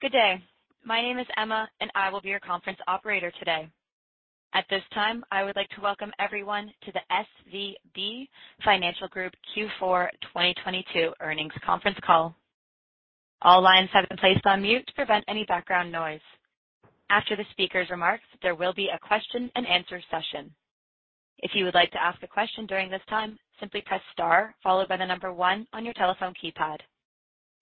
Good day. My name is Emma. I will be your conference operator today. At this time, I would like to welcome everyone to the SVB Financial Group Q4 2022 earnings Conference Call. All lines have been placed on mute to prevent any background noise. After the speaker's remarks, there will be a question-and-answer session. If you would like to ask a question during this time, simply Press Star followed by one on your telephone keypad.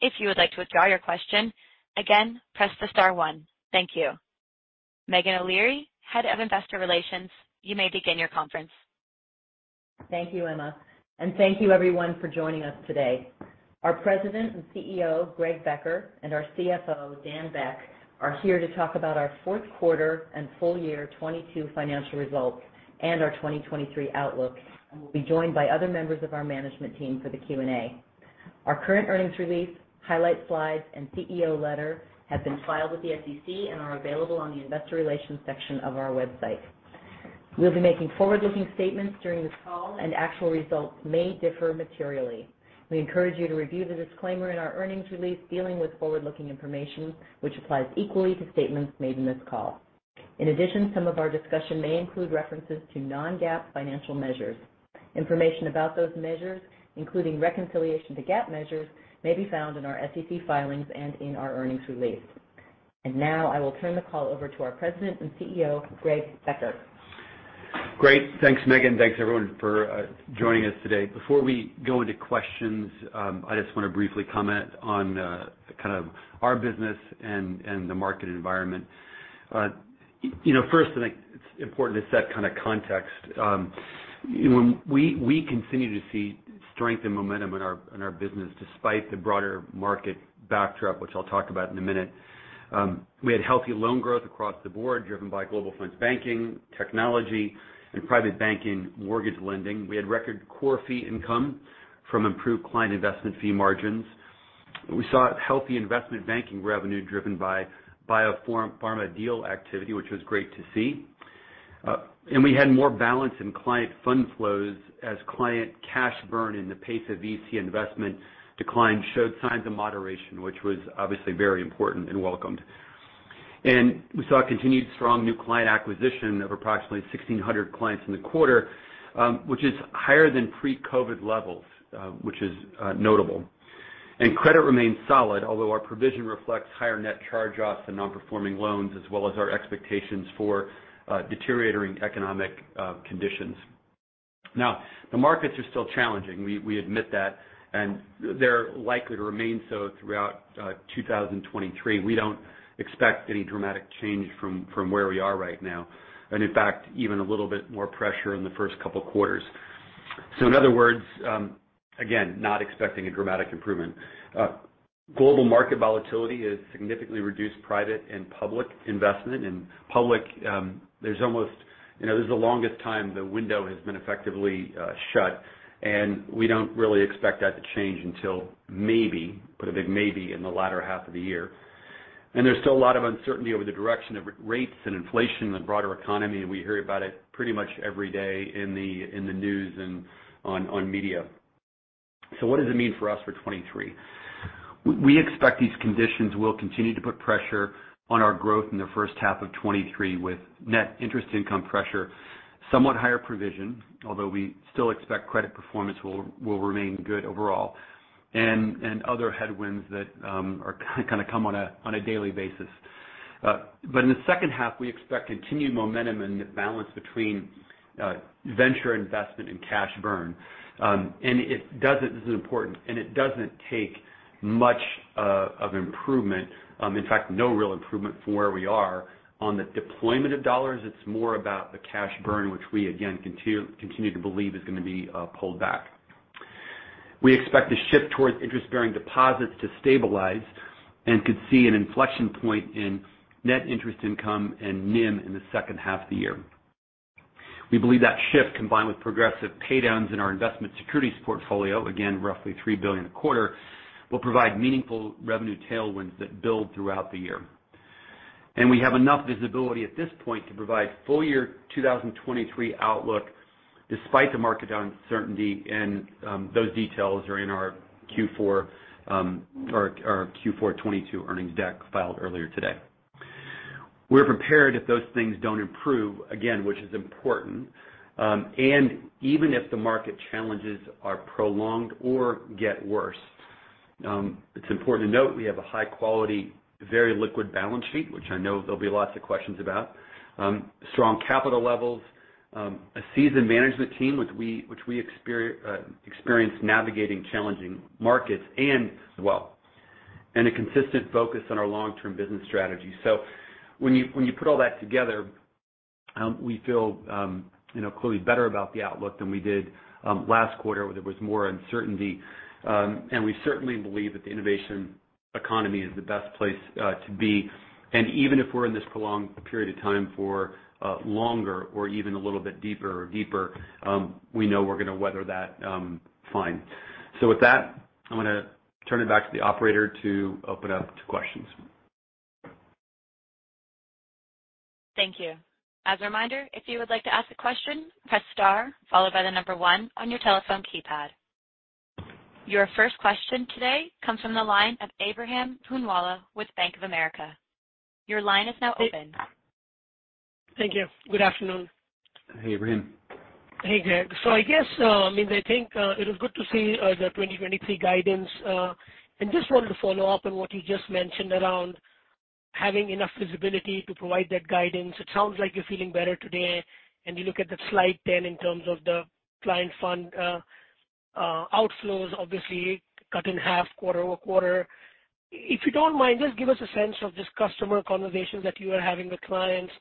If you would like to withdraw your question, again, press the star one. Thank you. Meghan O'Leary, Head of Investor Relations, you may begin your conference. Thank you, Emma. Thank you everyone for joining us today. Our President and CEO, Greg Becker, and our CFO, Daniel Beck, are here to talk about our fourth quarter and full year 2022 financial results and our 2023 outlook, and we'll be joined by other members of our management team for the Q&A. Our current earnings release, highlight slides, and CEO letter have been filed with the SEC and are available on the investor relations section of our website. We'll be making forward-looking statements during this call, and actual results may differ materially. We encourage you to review the disclaimer in our earnings release dealing with forward-looking information, which applies equally to statements made in this call. In addition, some of our discussion may include references to non-GAAP financial measures. Information about those measures, including reconciliation to GAAP measures, may be found in our SEC filings and in our earnings release. Now, I will turn the call over to our President and CEO, Greg Becker. Great. Thanks, Meghan. Thanks everyone for joining us today. Before we go into questions, I just wanna briefly comment on kind of our business and the market environment. You know, first I think it's important to set kind of context. When we continue to see strength and momentum in our business despite the broader market backdrop, which I'll talk about in a minute. We had healthy loan growth across the board driven by Global Fund Banking, technology, and private banking mortgage lending. We had record core fee income from improved client investment fee margins. We saw healthy investment banking revenue driven by biopharma deal activity, which was great to see. We had more balance in client fund flows as client cash burn in the pace of VC investment decline showed signs of moderation, which was obviously very important and welcomed. We saw continued strong new client acquisition of approximately 1,600 clients in the quarter, which is higher than pre-COVID levels, which is notable. Credit remains solid, although our provision reflects higher net charge-offs to non-performing loans as well as our expectations for deteriorating economic conditions. Now, the markets are still challenging. We admit that, and they're likely to remain so throughout 2023. We don't expect any dramatic change from where we are right now, and in fact, even a little bit more pressure in the first couple quarters. In other words, again, not expecting a dramatic improvement. Global market volatility has significantly reduced private and public investment. In public, there's almost, you know, this is the longest time the window has been effectively shut. We don't really expect that to change until maybe, put a big maybe, in the latter half of the year. There's still a lot of uncertainty over the direction of rates and inflation in the broader economy. We hear about it pretty much every day in the news and on media. What does it mean for us for 23? We expect these conditions will continue to put pressure on our growth in the first half of 23 with net interest income pressure, somewhat higher provision, although we still expect credit performance will remain good overall, and other headwinds that are kind of come on a daily basis. In the second half, we expect continued momentum and balance between venture investment and cash burn. It doesn't, this is important, it doesn't take much of improvement, in fact, no real improvement from where we are on the deployment of dollars. It's more about the cash burn, which we again continue to believe is gonna be pulled back. We expect a shift towards interest-bearing deposits to stabilize and could see an inflection point in net interest income and NIM in the second half of the year. We believe that shift, combined with progressive paydowns in our investment securities portfolio, again, roughly $3 billion a quarter, will provide meaningful revenue tailwinds that build throughout the year. We have enough visibility at this point to provide full year 2023 outlook despite the market uncertainty, and those details are in our Q4, or our Q4 2022 earnings deck filed earlier today. We're prepared if those things don't improve, again, which is important. Even if the market challenges are prolonged or get worse, it's important to note we have a high quality, very liquid balance sheet, which I know there'll be lots of questions about, strong capital levels, a seasoned management team, which we experience navigating challenging markets as well, and a consistent focus on our long-term business strategy. When you put all that together, we feel, you know, clearly better about the outlook than we did, last quarter where there was more uncertainty. We certainly believe that the innovation economy is the best place to be. Even if we're in this prolonged period of time for longer or even a little bit deeper, we know we're gonna weather that fine. With that, I'm gonna turn it back to the operator to open up to questions. Thank you. As a reminder, if you would like to ask a question, press star followed by the number one on your telephone keypad. Your first question today comes from the line of Ebrahim Poonawala with Bank of America. Your line is now open. Thank you. Good afternoon. Hey, Abraham. Hey, Greg. I guess, I mean, I think, it was good to see the 2023 guidance, and just wanted to follow up on what you just mentioned around having enough visibility to provide that guidance. It sounds like you're feeling better today, and you look at that slide 10 in terms of the client fund outflows obviously cut in half quarter-over-quarter. If you don't mind, just give us a sense of just customer conversations that you are having with clients.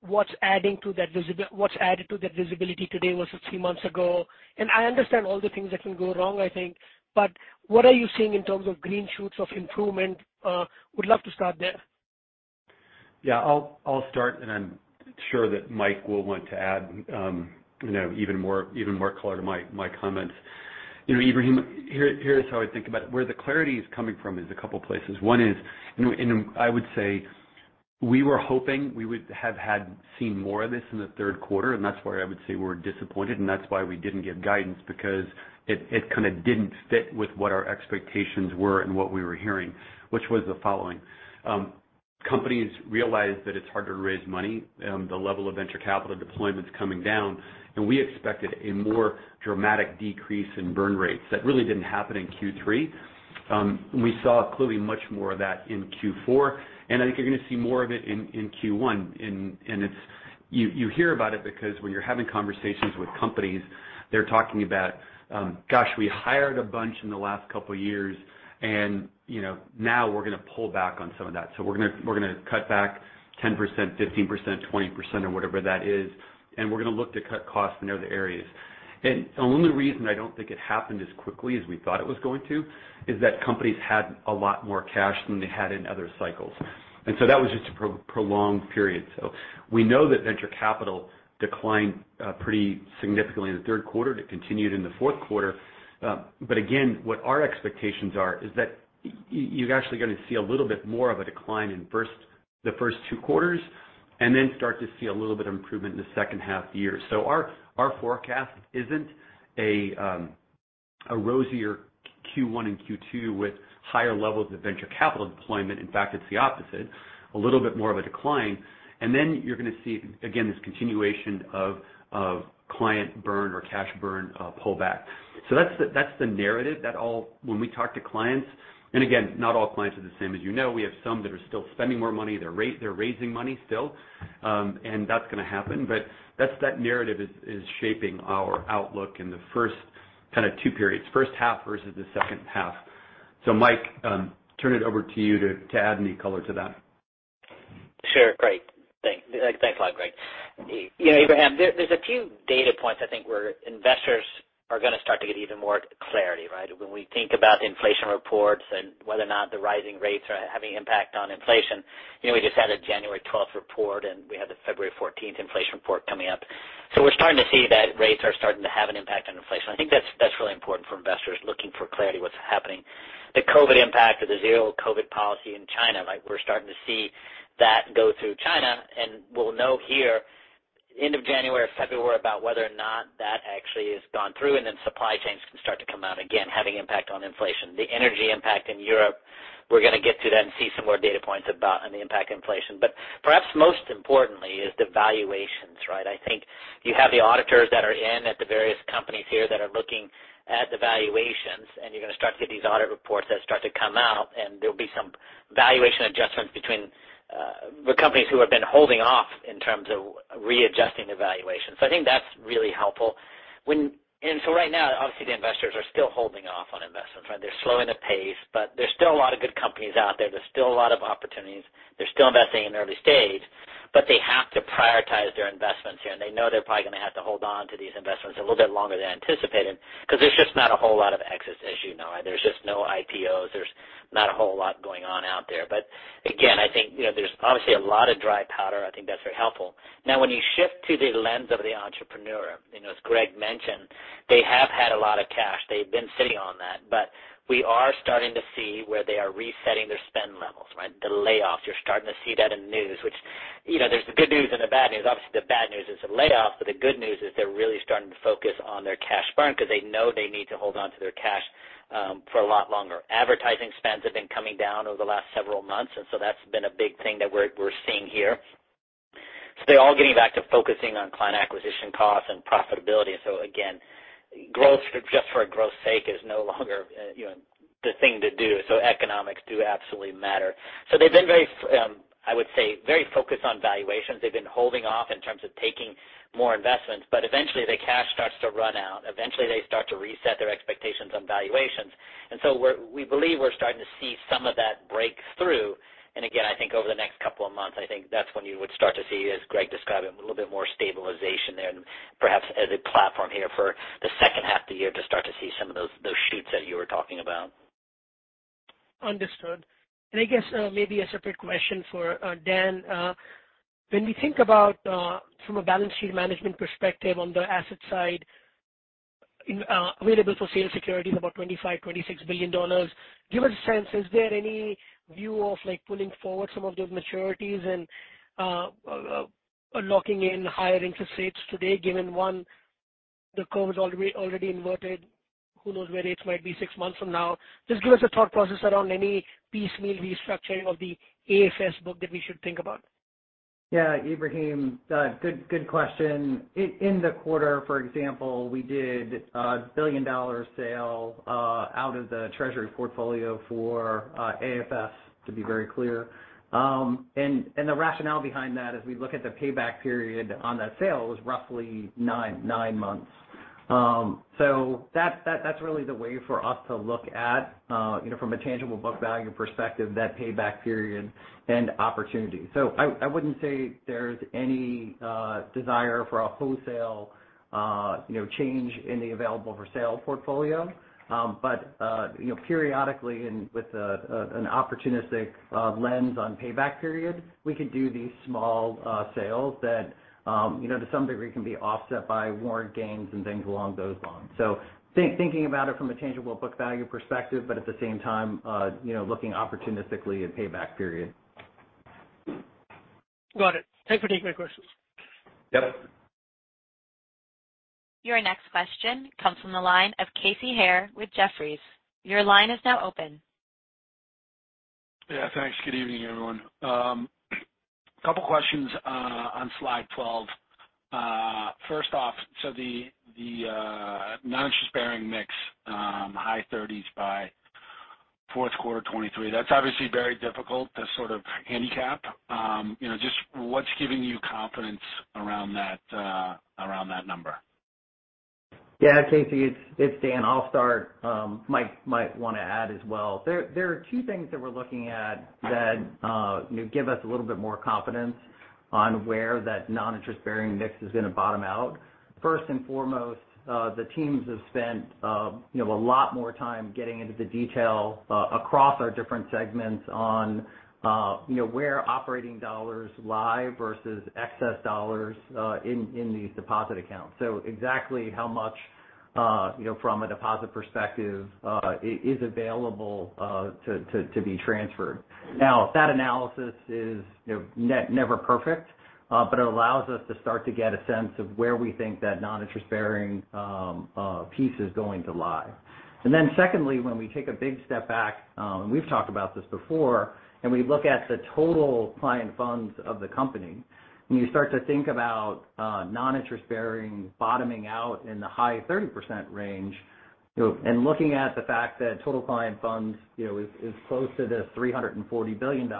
What's added to that visibility today versus nine months ago? I understand all the things that can go wrong, I think, but what are you seeing in terms of green shoots of improvement? Would love to start there. Yeah. I'll start, and I'm sure that Mike will want to add, you know, even more color to my comments. You know, Abraham, here's how I think about it. Where the clarity is coming from is a couple places. One is. I would say we were hoping we would have had seen more of this in the 3rd quarter, and that's why I would say we're disappointed, and that's why we didn't give guidance because it kind of didn't fit with what our expectations were and what we were hearing, which was the following. Companies realized that it's hard to raise money. The level of venture capital deployment's coming down, and we expected a more dramatic decrease in burn rates. That really didn't happen in Q3. We saw clearly much more of that in Q4, and I think you're gonna see more of it in Q1. You hear about it because when you're having conversations with companies, they're talking about, gosh, we hired a bunch in the last couple years and, you know, now we're gonna pull back on some of that. We're gonna cut back 10%, 15%, 20% or whatever that is, and we're gonna look to cut costs in other areas. The only reason I don't think it happened as quickly as we thought it was going to is that companies had a lot more cash than they had in other cycles. That was just a prolonged period. We know that venture capital declined pretty significantly in the third quarter. It continued in the fourth quarter. Again, what our expectations are is that you're actually going to see a little bit more of a decline in first, the first two quarters and then start to see a little bit of improvement in the second half year. Our, our forecast isn't a rosier Q1 and Q2 with higher levels of venture capital deployment. In fact, it's the opposite, a little bit more of a decline. Then you're going to see, again, this continuation of client burn or cash burn pull back. That's the narrative. When we talk to clients, and again, not all clients are the same. As you know, we have some that are still spending more money. They're raising money still, and that's going to happen. That's, that narrative is shaping our outlook in the first kinda two periods, first half versus the second half. Mike, turn it over to you to add any color to that. Sure. Great. Thanks a lot, Greg. You know, Abraham, there's a few data points I think where investors are gonna start to get even more clarity, right? When we think about inflation reports and whether or not the rising rates are having impact on inflation, you know, we just had a 12th January report, and we have the 14th February inflation report coming up. We're starting to see that rates are starting to have an impact on inflation. I think that's really important for investors looking for clarity what's happening. The COVID impact or the zero-COVID policy in China, like, we're starting to see that go through China, and we'll know here end of January or February about whether or not that actually has gone through, and then supply chains can start to come out again, having impact on inflation. The energy impact in Europe, we're gonna get to that and see some more data points on the impact inflation. Perhaps most importantly is the valuations, right? I think you have the auditors that are in at the various companies here that are looking at the valuations, and you're gonna start to get these audit reports that start to come out, and there'll be some valuation adjustments between the companies who have been holding off in terms of readjusting the valuation. I think that's really helpful. Right now, obviously, the investors are still holding off on investments, right? They're slowing the pace, but there's still a lot of good companies out there. There's still a lot of opportunities. They're still investing in early stage, they have to prioritize their investments here, they know they're probably gonna have to hold on to these investments a little bit longer than anticipated because there's just not a whole lot of exits as you know. There's just no IPOs. There's not a whole lot going on out there. Again, I think, you know, there's obviously a lot of dry powder. I think that's very helpful. When you shift to the lens of the entrepreneur, you know, as Greg mentioned, they have had a lot of cash. They've been sitting on that. We are starting to see where they are resetting their spend levels, right? The layoffs, you're starting to see that in the news, which, you know, there's the good news and the bad news. The bad news is the layoffs, the good news is they're really starting to focus on their cash burn because they know they need to hold on to their cash for a lot longer. Advertising spends have been coming down over the last several months, that's been a big thing that we're seeing here. They're all getting back to focusing on client acquisition costs and profitability. Again, growth just for growth's sake is no longer, you know, the thing to do. Economics do absolutely matter. They've been very, I would say, very focused on valuations. They've been holding off in terms of taking more investments, eventually, the cash starts to run out. Eventually, they start to reset their expectations on valuations. We believe we're starting to see some of that breakthrough. Again, I think over the next couple of months, I think that's when you would start to see, as Greg described, a little bit more stabilization there and perhaps as a platform here for the second half of the year to start to see some of those shoots that you were talking about. Understood. I guess, maybe a separate question for Dan. When we think about, from a balance sheet management perspective on the asset side. In available for sale securities about $25 billion-$26 billion. Give us a sense, is there any view of, like, pulling forward some of those maturities and, locking in higher interest rates today, given one, the curve is already inverted, who knows where rates might be six months from now? Just give us a thought process around any piecemeal restructuring of the AFS book that we should think about. Yeah, Ibrahim, good question. In the quarter, for example, we did a $1 billion sale out of the treasury portfolio for AFS, to be very clear. The rationale behind that as we look at the payback period on that sale was roughly nine months. That's really the way for us to look at, you know, from a tangible book value perspective, that payback period and opportunity. I wouldn't say there's any desire for a wholesale, you know, change in the available for sale portfolio. Periodically and with an opportunistic lens on payback period, we could do these small sales that, you know, to some degree can be offset by warrant gains and things along those lines. thinking about it from a tangible book value perspective, but at the same time, you know, looking opportunistically at payback period. Got it. Thanks for taking my questions. Yep. Your next question comes from the line of Casey Haire with Jefferies. Your line is now open. Yeah, thanks. Good evening, everyone. Couple questions on slide 12. First off, so the non-interest-bearing mix, high 30s by fourth quarter 2023. That's obviously very difficult to sort of handicap. You know, just what's giving you confidence around that, around that number? Yeah, Casey, it's Dan. I'll start. Mike might want to add as well. There are two things that we're looking at that, you know, give us a little bit more confidence on where that non-interest-bearing mix is going to bottom out. First and foremost, the teams have spent, you know, a lot more time getting into the detail across our different segments on, you know, where operating dollars lie versus excess dollars in these deposit accounts. Exactly how much, you know, from a deposit perspective, is available to be transferred. Now, that analysis is, you know, never perfect, but it allows us to start to get a sense of where we think that non-interest-bearing piece is going to lie. Then secondly, when we take a big step back, and we've talked about this before, and we look at the total client funds of the company, and you start to think about non-interest-bearing bottoming out in the high 30% range, you know, and looking at the fact that total client funds, you know, is close to the $340 billion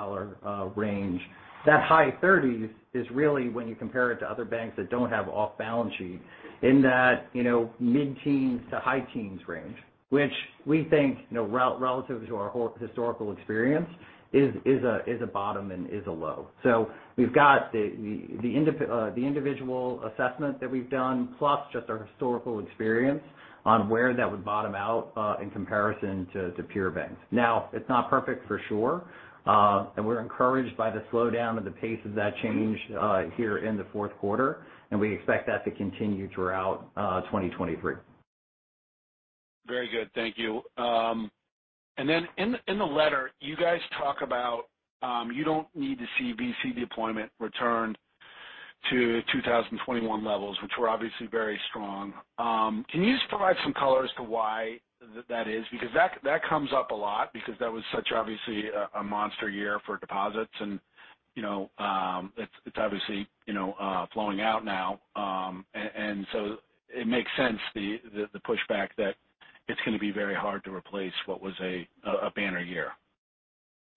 range, that high thirties is really when you compare it to other banks that don't have off-balance sheet in that, you know, mid-teens to high teens range, which we think, you know, relative to our whole historical experience is a bottom and is a low. We've got the individual assessment that we've done plus just our historical experience on where that would bottom out in comparison to peer banks. It's not perfect for sure, and we're encouraged by the slowdown of the pace of that change, here in the fourth quarter, and we expect that to continue throughout 2023. Very good. Thank you. In the letter, you guys talk about, you don't need to see VC deployment return to 2021 levels, which were obviously very strong. Can you just provide some color as to why that is? That comes up a lot because that was such obviously a monster year for deposits and, you know, it's obviously, you know, flowing out now. It makes sense the pushback that it's going to be very hard to replace what was a banner year.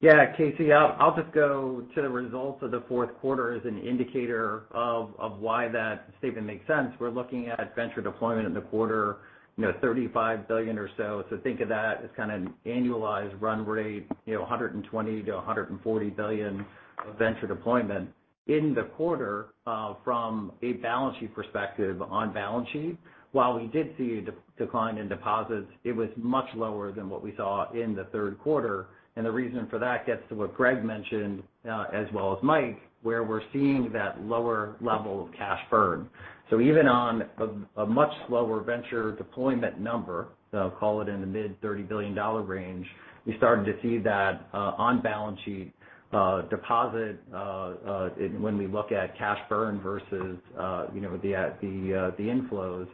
Yeah. Casey, I'll just go to the results of the fourth quarter as an indicator of why that statement makes sense. We're looking at venture deployment in the quarter, you know, $35 billion or so. Think of that as kind of an annualized run rate, you know, $120 billion-$140 billion of venture deployment. In the quarter, from a balance sheet perspective on balance sheet, while we did see a decline in deposits, it was much lower than what we saw in the third quarter. The reason for that gets to what Greg mentioned, as well as Mike, where we're seeing that lower level of cash burn. Even on a much slower venture deployment number, call it in the mid $30 billion range, we started to see that on balance sheet deposit when we look at cash burn versus, you know, the inflows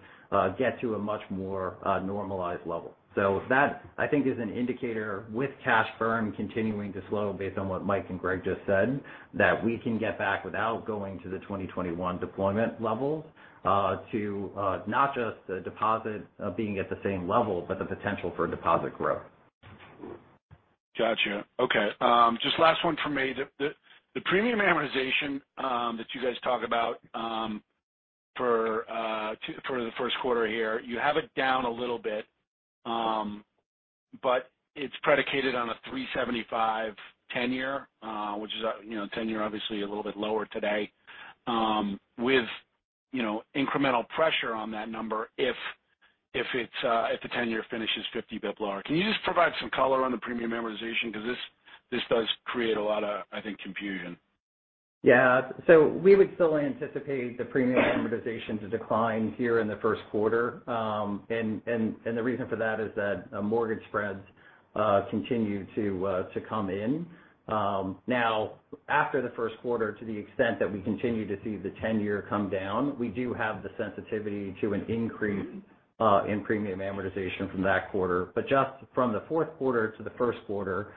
get to a much more normalized level. That I think is an indicator with cash burn continuing to slow based on what Mike and Greg just said, that we can get back without going to the 2021 deployment levels to not just the deposit being at the same level, but the potential for deposit growth. Gotcha. Okay. Just last one for me. The premium amortization that you guys talk about for the first quarter here, you have it down a little bit, but it's predicated on a 3.75% tenure which is, you know, tenure obviously a little bit lower today, with, you know, incremental pressure on that number if it's, if the tenure finishes 50 basis points lower. Can you just provide some color on the premium amortization because this does create a lot of, I think, confusion? We would still anticipate the premium amortization to decline here in the first quarter. The reason for that is that mortgage spreads continue to come in. Now, after the first quarter, to the extent that we continue to see the ten-year come down, we do have the sensitivity to an increase in premium amortization from that quarter. Just from the fourth quarter to the first quarter,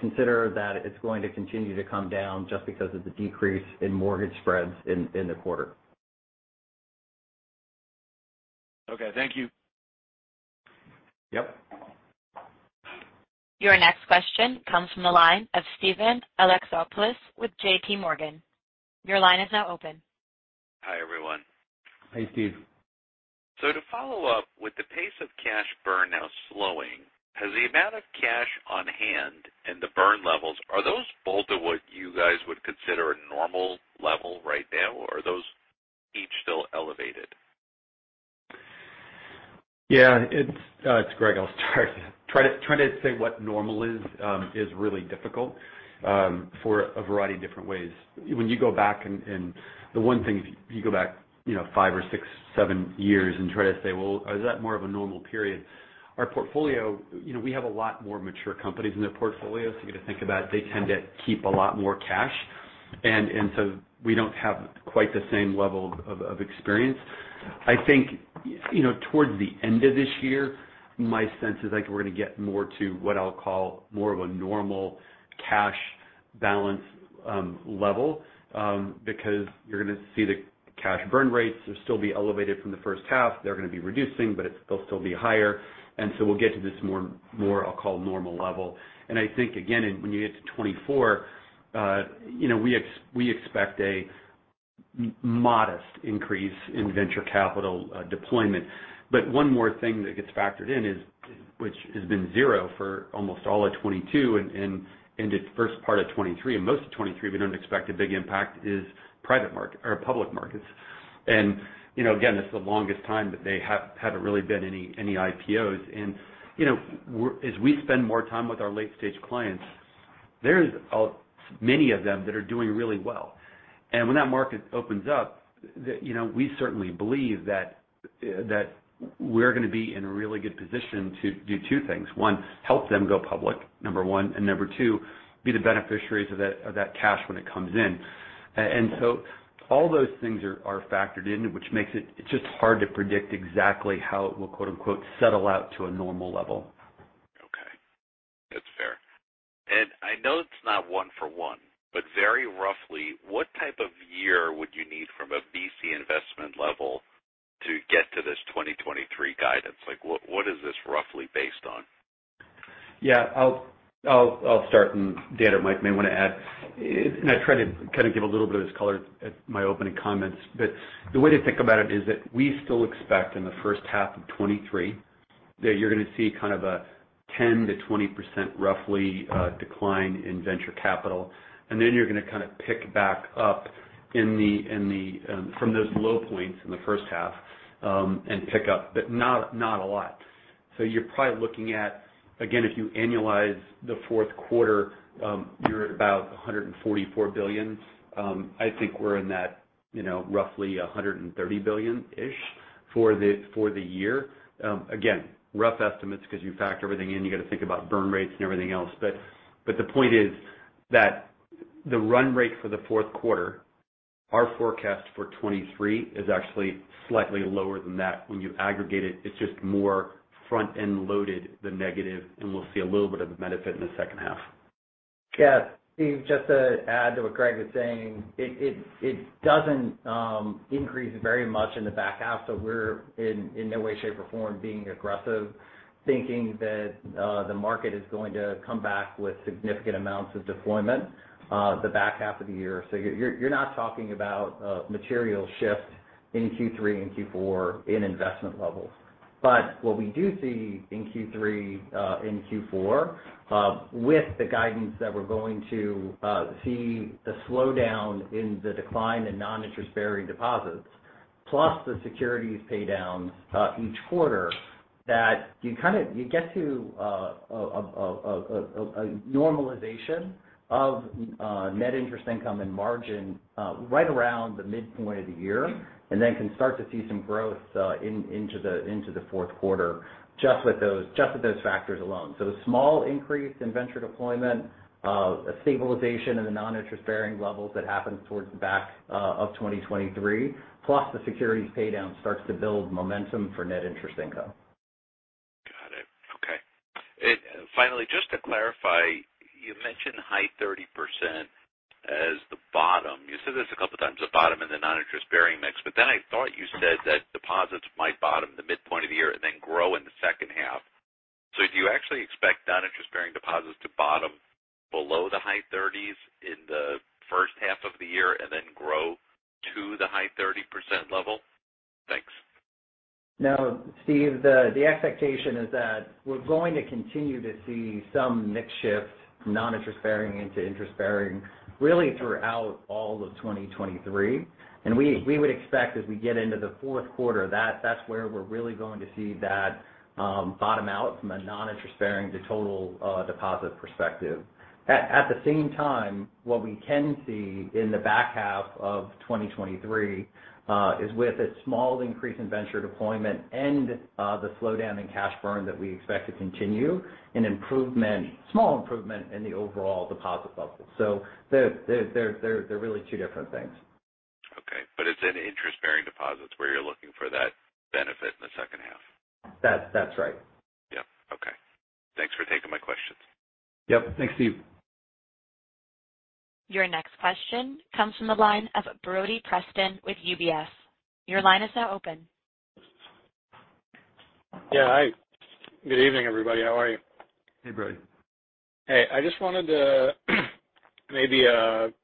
consider that it's going to continue to come down just because of the decrease in mortgage spreads in the quarter. Okay. Thank you. Yep. Your next question comes from the line of Steven Alexopoulos with JPMorgan. Your line is now open. Hi, everyone. Hi, Steve. To follow up, with the pace of cash burn now slowing, has the amount of cash on hand and the burn levels, are those both at what you guys would consider a normal level right now, or are those each still elevated? Yeah. It's, it's Greg. I'll start. Trying to say what normal is really difficult for a variety of different ways. When you go back and the one thing if you go back, you know, five or six, seven years and try to say, "Well, is that more of a normal period?" Our portfolio, you know, we have a lot more mature companies in the portfolio, so you gotta think about they tend to keep a lot more cash. We don't have quite the same level of experience. I think, you know, towards the end of this year, my sense is like we're gonna get more to what I'll call more of a normal cash balance level because you're gonna see the cash burn rates still be elevated from the first half. They're gonna be reducing, but it's they'll still be higher. We'll get to this more, I'll call normal level. I think again, when you get to 24, you know, we expect a modest increase in venture capital deployment. One more thing that gets factored in is, which has been zero for almost all of 22 and into the first part of 23 and most of 23, we don't expect a big impact, is private market or public markets. You know, again, this is the longest time that they haven't really been any IPOs. You know, as we spend more time with our late-stage clients, there's a many of them that are doing really well. When that market opens up, you know, we certainly believe that we're gonna be in a really good position to do two things. One, help them go public, number one. Number two, be the beneficiaries of that, of that cash when it comes in. So all those things are factored in, which makes it's just hard to predict exactly how it will quote-unquote, "settle out to a normal level. Okay. That's fair. I know it's not one for one, but very roughly, what type of year would you need from a VC investment level to get to this 2023 guidance? Like, what is this roughly based on? Yeah. I'll start and Dan or Mike may wanna add. I tried to kind of give a little bit of this color at my opening comments. The way to think about it is that we still expect in the first half of 2023 that you're gonna see kind of a 10%-20% roughly decline in venture capital. Then you're gonna kind of pick back up in the, in the from those low points in the first half and pick up, but not a lot. You're probably looking at, again, if you annualize the fourth quarter, you're at about $144 billion. I think we're in that, you know, roughly $130 billion-ish for the year. again, rough estimates 'cause you factor everything in, you got to think about burn rates and everything else. The point is that the run rate for the fourth quarter, our forecast for 23 is actually slightly lower than that. When you aggregate it's just more front-end loaded the negative, and we'll see a little bit of the benefit in the second half. Yeah. Steve, just to add to what Greg was saying. It doesn't increase very much in the back half, so we're in no way, shape, or form being aggressive, thinking that the market is going to come back with significant amounts of deployment, the back half of the year. You're not talking about a material shift in Q3 and Q4 in investment levels. What we do see in Q3 and Q4 with the guidance that we're going to see the slowdown in the decline in non-interest-bearing deposits, plus the securities pay downs each quarter, that you get to a normalization of net interest income and margin right around the midpoint of the year, and then can start to see some growth into the fourth quarter just with those factors alone. The small increase in venture deployment, a stabilization in the non-interest-bearing levels that happens towards the back of 2023, plus the securities pay down starts to build momentum for net interest income. Got it. Okay. Just to clarify, you mentioned high 30% as the bottom. You said this a couple of times, the bottom in the non-interest-bearing mix. I thought you said that deposits might bottom the midpoint of the year and then grow in the second half. Do you actually expect non-interest-bearing deposits to bottom below the high 30s in the first half of the year and then grow to the high 30% level? Thanks. No, Steve, the expectation is that we're going to continue to see some mix shift from non-interest bearing into interest bearing really throughout all of 2023. We would expect as we get into the fourth quarter that that's where we're really going to see that bottom out from a non-interest bearing to total deposit perspective. At the same time, what we can see in the back half of 2023 is with a small increase in venture deployment and the slowdown in cash burn that we expect to continue, an improvement, small improvement in the overall deposit level. They're really two different things. Okay. It's in interest-bearing deposits where you're looking for that benefit in the second half? That's right. Yeah. Okay. Thanks for taking my questions. Yep. Thanks, Steve. Your next question comes from the line of Brody Preston with UBS. Your line is now open. Yeah. Hi, good evening, everybody. How are you? Hey, Brody. Hey, I just wanted to maybe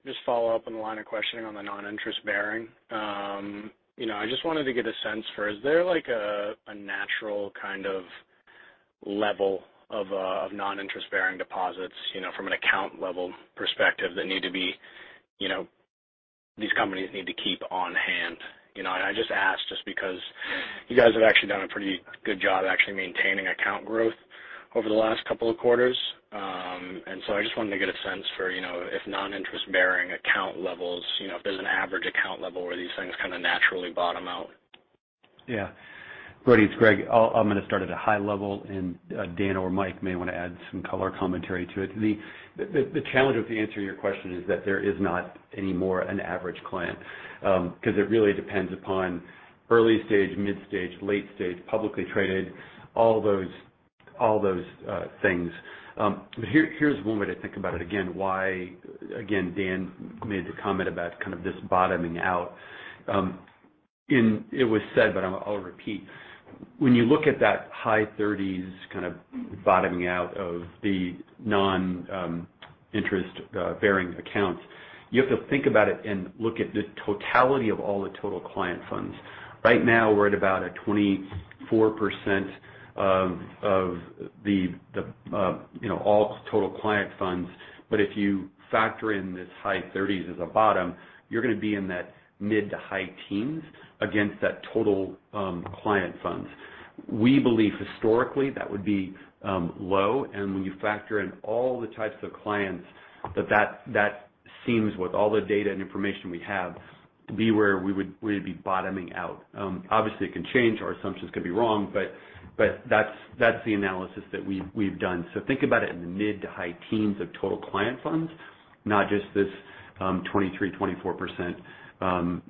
just follow up on the line of questioning on the non-interest-bearing. You know, I just wanted to get a sense for is there like a natural kind of level of non-interest-bearing deposits, you know, from an account level perspective that need to be, you know, these companies need to keep on hand? I just ask just because you guys have actually done a pretty good job actually maintaining account growth over the last couple of quarters. I just wanted to get a sense for, you know, if non-interest-bearing account levels, you know, if there's an average account level where these things kind of naturally bottom out. Yeah. Brody, it's Greg. I'm gonna start at a high level and Dan or Mike may wanna add some color commentary to it. The challenge with the answer to your question is that there is not any more an average client, because it really depends upon early stage, mid stage, late stage, publicly traded, all those, all those things. Here, here's one way to think about it again, why, again, Dan made the comment about kind of this bottoming out. It was said, but I'll repeat. When you look at that high 30s kind of bottoming out of the non-interest-bearing accounts, you have to think about it and look at the totality of all the total client funds. Right now we're at about a 24% of the, you know, all total client funds. If you factor in this high 30s as a bottom, you're gonna be in that mid- to high-teens against that total, client funds. We believe historically that would be low and when you factor in all the types of clients that seems with all the data and information we have to be where we would be bottoming out. Obviously it can change. Our assumptions could be wrong, but that's the analysis that we've done. Think about it in the mid- to high-teens of total client funds, not just this, 23%-24%, you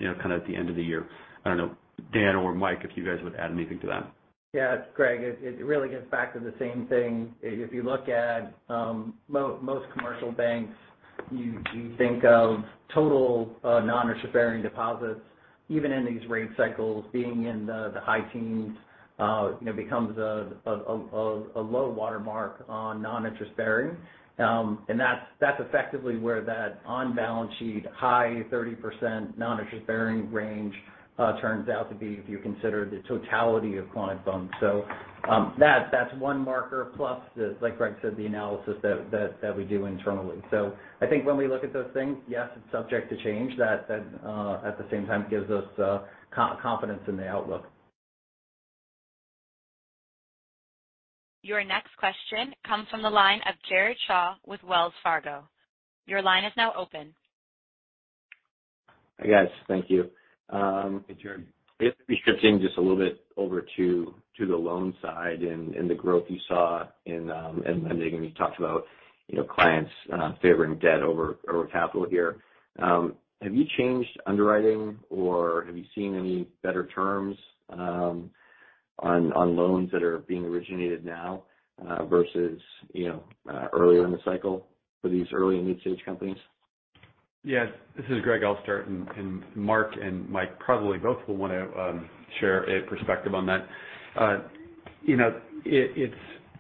know, kind of at the end of the year. I don't know, Dan or Mike, if you guys would add anything to that. Yeah. Greg, it really gets back to the same thing. If you look at most commercial banks, you think of total non-interest-bearing deposits, even in these rate cycles being in the high teens, you know, becomes a low watermark on non-interest-bearing. That's effectively where that on balance sheet, high 30% non-interest-bearing range, turns out to be if you consider the totality of client funds. That's one marker plus, like Greg said, the analysis that we do internally. I think when we look at those things, yes, it's subject to change. That, at the same time gives us confidence in the outlook. Your next question comes from the line of Jared Shaw with Wells Fargo. Your line is now open. Hi, guys. Thank you. Hey, Jared. I have to be shifting just a little bit over to the loan side and the growth you saw in, and you talked about, you know, clients, favoring debt over capital here. Have you changed underwriting or have you seen any better terms, on loans that are being originated now, versus, you know, earlier in the cycle for these early and mid-stage companies? Yes. This is Greg Becker, and Mark and Mike probably both will wanna share a perspective on that. You know, it's,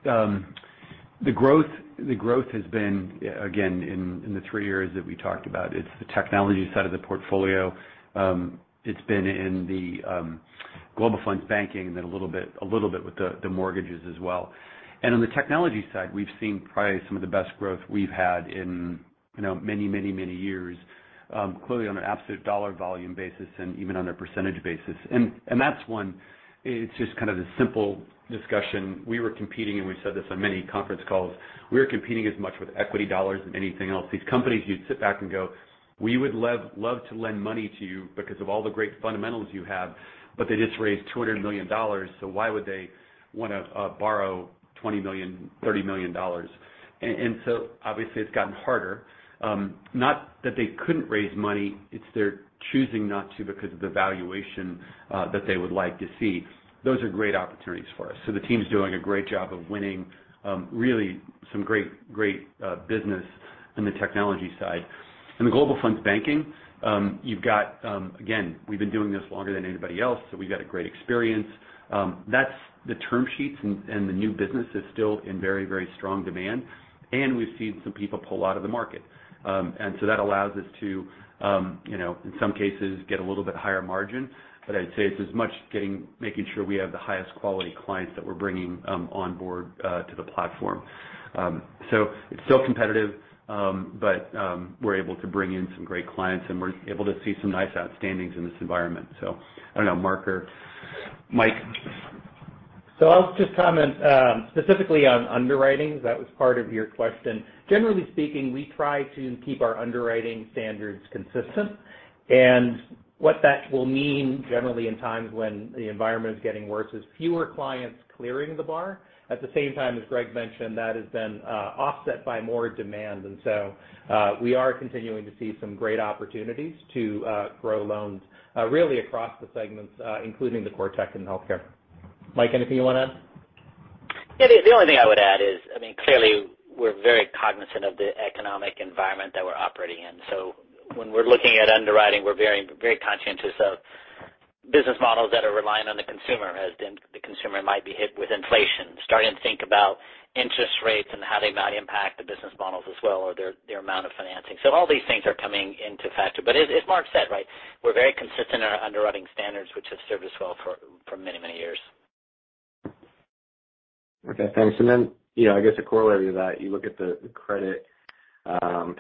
the growth has been again, in the three areas that we talked about. It's the technology side of the portfolio. It's been in the Global Fund Banking, then a little bit with the mortgages as well. On the technology side, we've seen probably some of the best growth we've had in, you know, many years, clearly on an absolute dollar volume basis and even on a percentage basis. That's one, it's just kind of the simple discussion. We were competing, and we've said this on many conference calls, we are competing as much with equity dollars as anything else. These companies, you'd sit back and go, "We would love to lend money to you because of all the great fundamentals you have." They just raised $200 million, so why would they wanna borrow $20 million-$30 million? Obviously it's gotten harder. Not that they couldn't raise money, it's they're choosing not to because of the valuation that they would like to see. Those are great opportunities for us. The team's doing a great job of winning really some great business on the technology side. In the Global Fund Banking, you've got again, we've been doing this longer than anybody else, we've got a great experience. That's the term sheets and the new business is still in very, very strong demand, and we've seen some people pull out of the market. That allows us to, you know, in some cases, get a little bit higher margin. But I'd say it's as much making sure we have the highest quality clients that we're bringing, on board, to the platform. It's still competitive, but we're able to bring in some great clients, and we're able to see some nice outstandings in this environment. I don't know, Mark or Mike. I'll just comment specifically on underwriting. That was part of your question. Generally speaking, we try to keep our underwriting standards consistent. What that will mean generally in times when the environment is getting worse is fewer clients clearing the bar. At the same time, as Greg mentioned, that has been offset by more demand. We are continuing to see some great opportunities to grow loans really across the segments, including the core tech and healthcare. Mike, anything you wanna add? Yeah. The only thing I would add is, I mean, clearly we're very cognizant of the economic environment that we're operating in. When we're looking at underwriting, we're very conscientious of business models that are relying on the consumer, as the consumer might be hit with inflation. Starting to think about interest rates and how they might impact the business models as well or their amount of financing. All these things are coming into factor. As Mark said, right, we're very consistent in our underwriting standards, which have served us well for many, many years. Okay, thanks. You know, I guess a corollary to that, you look at the credit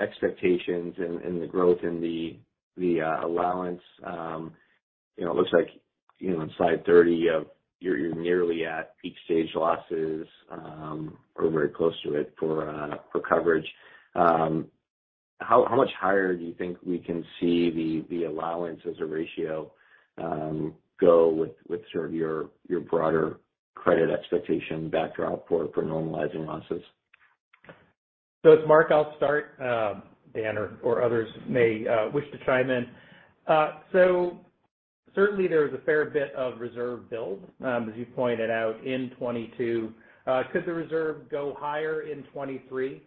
expectations and the growth in the allowance. You know, it looks like, you know, in slide 30, you're nearly at peak stage losses, or very close to it for coverage. How much higher do you think we can see the allowance as a ratio, go with sort of your broader credit expectation backdrop for normalizing losses? As Mark, I'll start. Dan or others may wish to chime in. Certainly there's a fair bit of reserve build, as you pointed out in 2022. Could the reserve go higher in 2023? You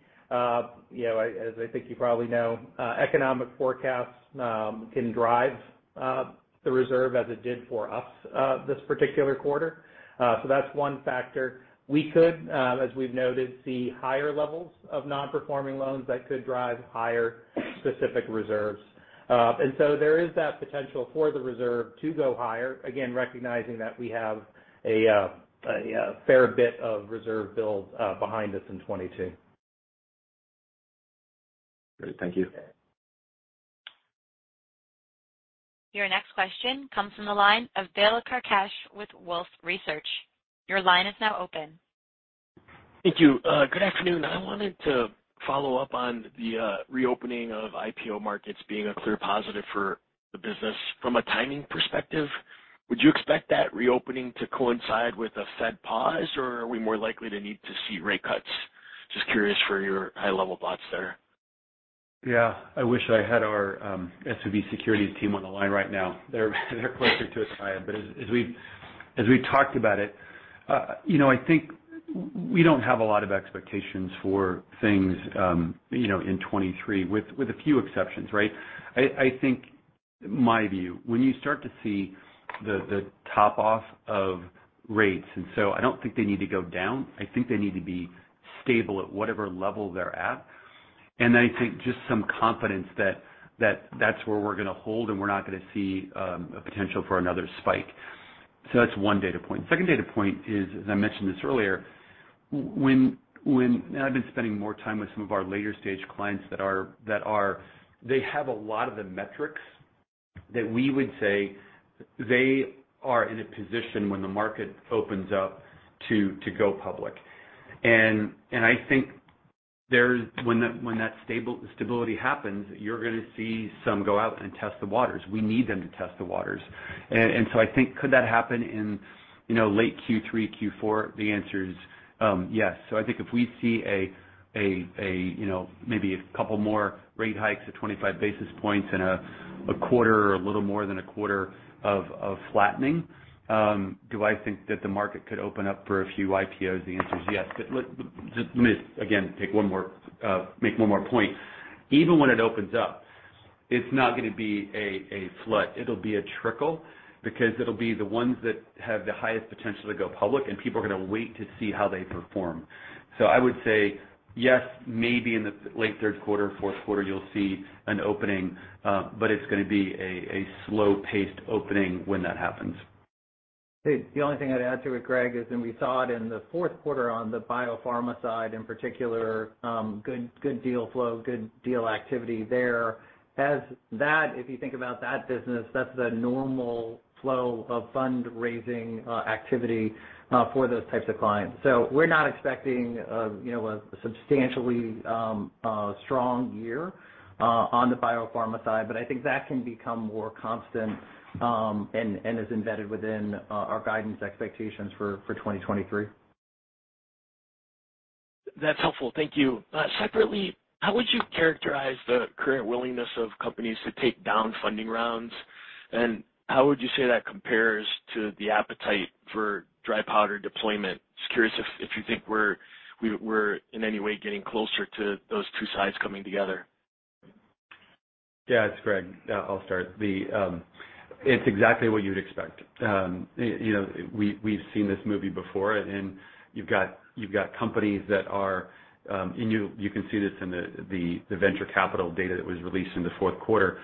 know, as I think you probably know, economic forecasts can drive the reserve as it did for us this particular quarter. That's one factor. We could, as we've noted, see higher levels of non-performing loans that could drive higher specific reserves. There is that potential for the reserve to go higher, again, recognizing that we have a fair bit of reserve build behind us in 2022. Great. Thank you. Your next question comes from the line of Bill Carcache with Wolfe Research. Your line is now open. Thank you. good afternoon. I wanted to follow up on the reopening of IPO markets being a clear positive for the business. From a timing perspective, would you expect that reopening to coincide with a Fed pause, or are we more likely to need to see rate cuts? Just curious for your high-level thoughts there. Yeah. I wish I had our SVB Securities team on the line right now. They're closer to it than I am. As we talked about it, you know, I think we don't have a lot of expectations for things, you know, in 23 with a few exceptions, right? I think my view, when you start to see the top off of rates, I don't think they need to go down, I think they need to be stable at whatever level they're at. I think just some confidence that that's where we're gonna hold and we're not gonna see a potential for another spike. That's one data point. Second data point is, as I mentioned this earlier, when I've been spending more time with some of our later stage clients that are They have a lot of the metrics that we would say they are in a position when the market opens up to go public. I think there's-- when that stability happens, you're gonna see some go out and test the waters. We need them to test the waters. I think could that happen in, you know, late Q3, Q4? The answer is, yes. I think if we see a, a, you know, maybe a couple more rate hikes of 25 basis points in a quarter or a little more than a quarter of flattening, do I think that the market could open up for a few IPOs? The answer is yes. Just let me again make one more point. Even when it opens up, it's not gonna be a flood. It'll be a trickle because it'll be the ones that have the highest potential to go public, and people are gonna wait to see how they perform. I would say yes, maybe in the late third quarter, fourth quarter, you'll see an opening, but it's gonna be a slow-paced opening when that happens. The only thing I'd add to it, Greg, is then we saw it in the fourth quarter on the biopharma side in particular, good deal flow, good deal activity there. As that, if you think about that business, that's the normal flow of fundraising activity for those types of clients. We're not expecting, you know, a substantially strong year on the biopharma side, but I think that can become more constant, and is embedded within our guidance expectations for 2023. That's helpful. Thank you. Separately, how would you characterize the current willingness of companies to take down funding rounds? How would you say that compares to the appetite for dry powder deployment? Curious if you think we're in any way getting closer to those two sides coming together. Yeah. It's Greg. I'll start. It's exactly what you would expect. You know, we've seen this movie before. You can see this in the venture capital data that was released in the fourth quarter.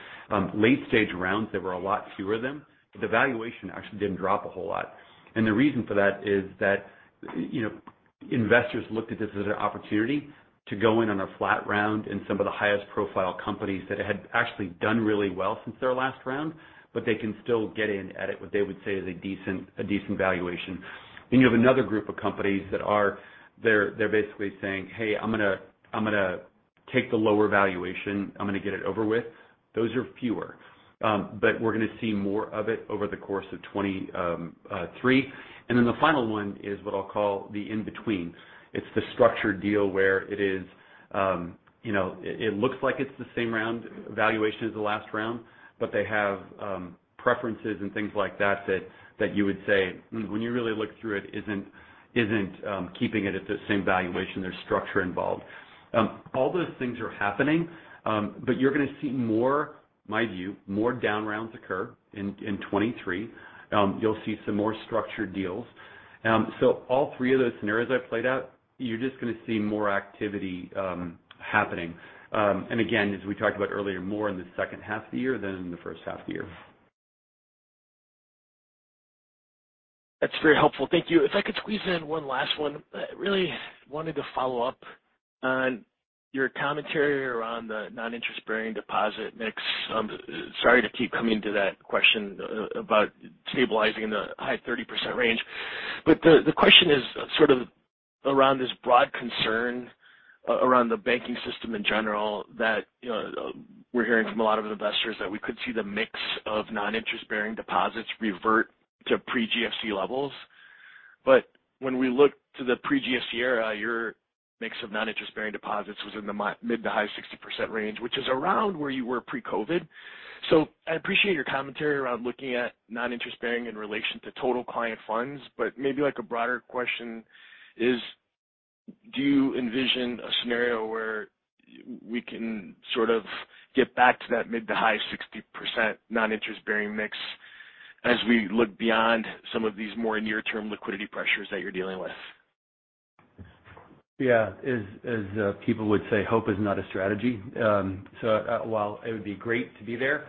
Late stage rounds, there were a lot fewer of them, but the valuation actually didn't drop a whole lot. The reason for that is that, you know, investors looked at this as an opportunity to go in on a flat round in some of the highest profile companies that had actually done really well since their last round, but they can still get in at it, what they would say is a decent valuation. You have another group of companies that are basically saying, "Hey, I'm gonna take the lower valuation. I'm gonna get it over with." Those are fewer. We're gonna see more of it over the course of 23. The final one is what I'll call the in-between. It's the structured deal where it is, you know, it looks like it's the same round valuation as the last round, but they have preferences and things like that you would say, when you really look through it isn't keeping it at the same valuation. There's structure involved. All those things are happening. You're gonna see more, my view, more down rounds occur in '23. You'll see some more structured deals. All 3 of those scenarios I played out, you're just gonna see more activity happening. Again, as we talked about earlier, more in the second half of the year than in the first half of the year. That's very helpful. Thank you. If I could squeeze in one last one. I really wanted to follow up on your commentary around the non-interest-bearing deposit mix. Sorry to keep coming to that question about stabilizing the high 30% range. The question is sort of around this broad concern around the banking system in general that, you know, we're hearing from a lot of investors that we could see the mix of non-interest-bearing deposits revert to pre-GFC levels. When we look to the pre-GFC era, your mix of non-interest-bearing deposits was in the mid to high 60% range, which is around where you were pre-COVID. I appreciate your commentary around looking at non-interest bearing in relation to total client funds, but maybe like a broader question is, do you envision a scenario where we can sort of get back to that mid to high 60% non-interest-bearing mix as we look beyond some of these more near term liquidity pressures that you're dealing with? Yeah. As, as people would say, hope is not a strategy. While it would be great to be there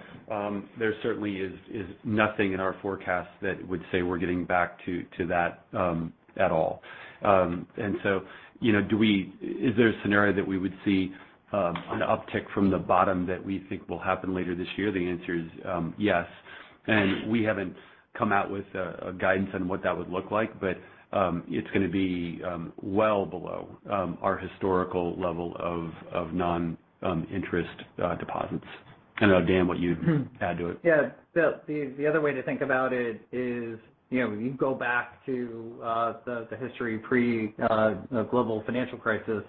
certainly is nothing in our forecast that would say we're getting back to that at all. you know, is there a scenario that we would see an uptick from the bottom that we think will happen later this year? The answer is yes. We haven't come out with a guidance on what that would look like, but it's gonna be well below our historical level of non-interest deposits. I don't know, Dan, what you'd add to it. Yeah. The other way to think about it is, you know, when you go back to the history pre Global Financial Crisis,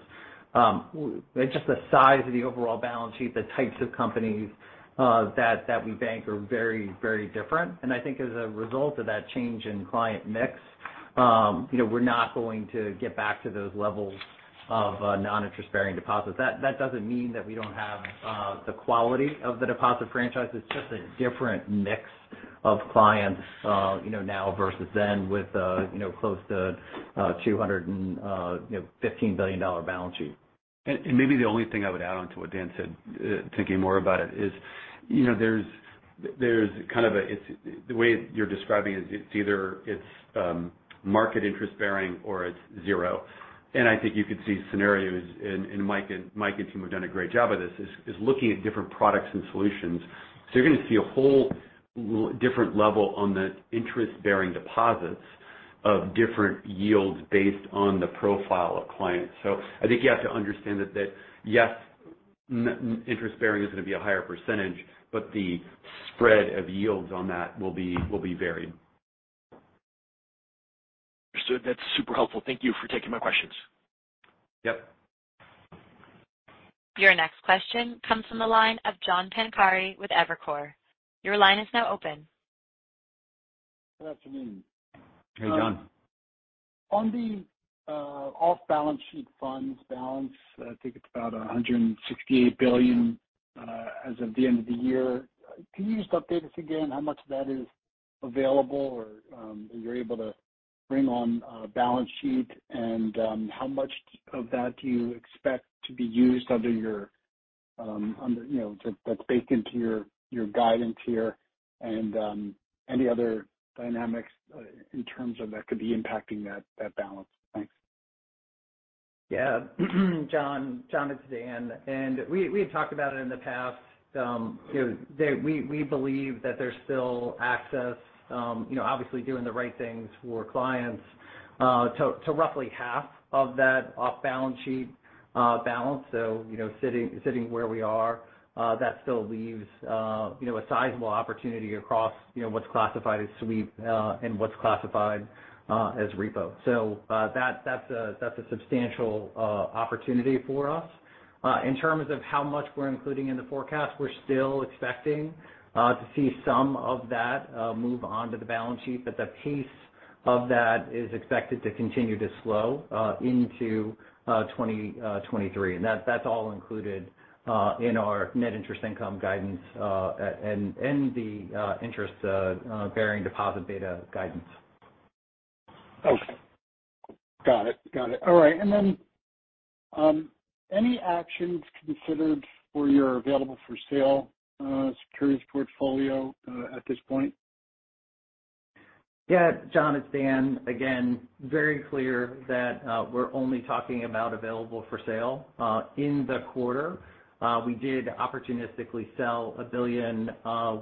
just the size of the overall balance sheet, the types of companies that we bank are very, very different. I think as a result of that change in client mix, you know, we're not going to get back to those levels of non-interest-bearing deposits. That doesn't mean that we don't have the quality of the deposit franchises. It's just a different mix of clients, you know, now versus then with, you know, close to, you know, $215 billion balance sheet. Maybe the only thing I would add on to what Dan said, thinking more about it is, you know, there's it's the way you're describing it's either market interest-bearing or it's zero. I think you could see scenarios, Mike and team have done a great job of this, looking at different products and solutions. You're going to see a whole different level on the interest-bearing deposits of different yields based on the profile of clients. I think you have to understand that, yes, interest-bearing is going to be a higher percentage, but the spread of yields on that will be varied. Understood. That's super helpful. Thank you for taking my questions. Yep. Your next question comes from the line of John Pancari with Evercore. Your line is now open. Good afternoon. Hey, John. On the off-balance sheet funds balance, I think it's about $168 billion as of the end of the year. Can you just update us again how much of that is available or you're able to bring on a balance sheet? How much of that do you expect to be used under your, you know, that's baked into your guidance here? Any other dynamics in terms of that could be impacting that balance? Thanks. Yeah. John, it's Dan. We had talked about it in the past. You know, we believe that there's still access, you know, obviously doing the right things for clients, to roughly half of that off-balance sheet balance. You know, sitting where we are, that still leaves, you know, a sizable opportunity across, you know, what's classified as sweep and what's classified as repo. That's a substantial opportunity for us. In terms of how much we're including in the forecast, we're still expecting to see some of that move on to the balance sheet, but the pace of that is expected to continue to slow into 2023. That's all included in our net interest income guidance, and the interest-bearing deposit beta guidance. Okay. Got it. Got it. All right. Any actions considered for your available for sale securities portfolio at this point? John, it's Dan. Very clear that we're only talking about available for sale. In the quarter, we did opportunistically sell $1 billion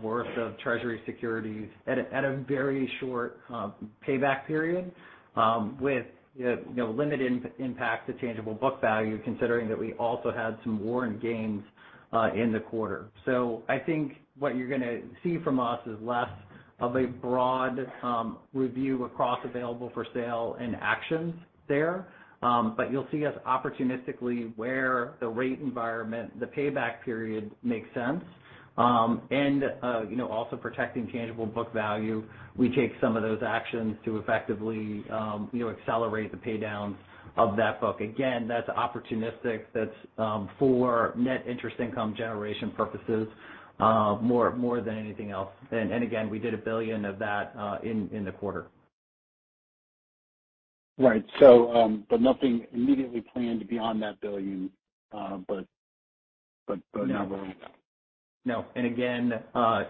worth of Treasury securities at a very short payback period with, you know, limited impact to tangible book value considering that we also had some warrant gains in the quarter. I think what you're gonna see from us is less of a broad review across available for sale and actions there. You'll see us opportunistically where the rate environment, the payback period makes sense. You know, also protecting tangible book value. We take some of those actions to effectively, you know, accelerate the pay downs of that book. That's opportunistic. That's for net interest income generation purposes, more than anything else. Again, we did $1 billion of that in the quarter. Right. nothing immediately planned beyond that billion, but. No. No. Again,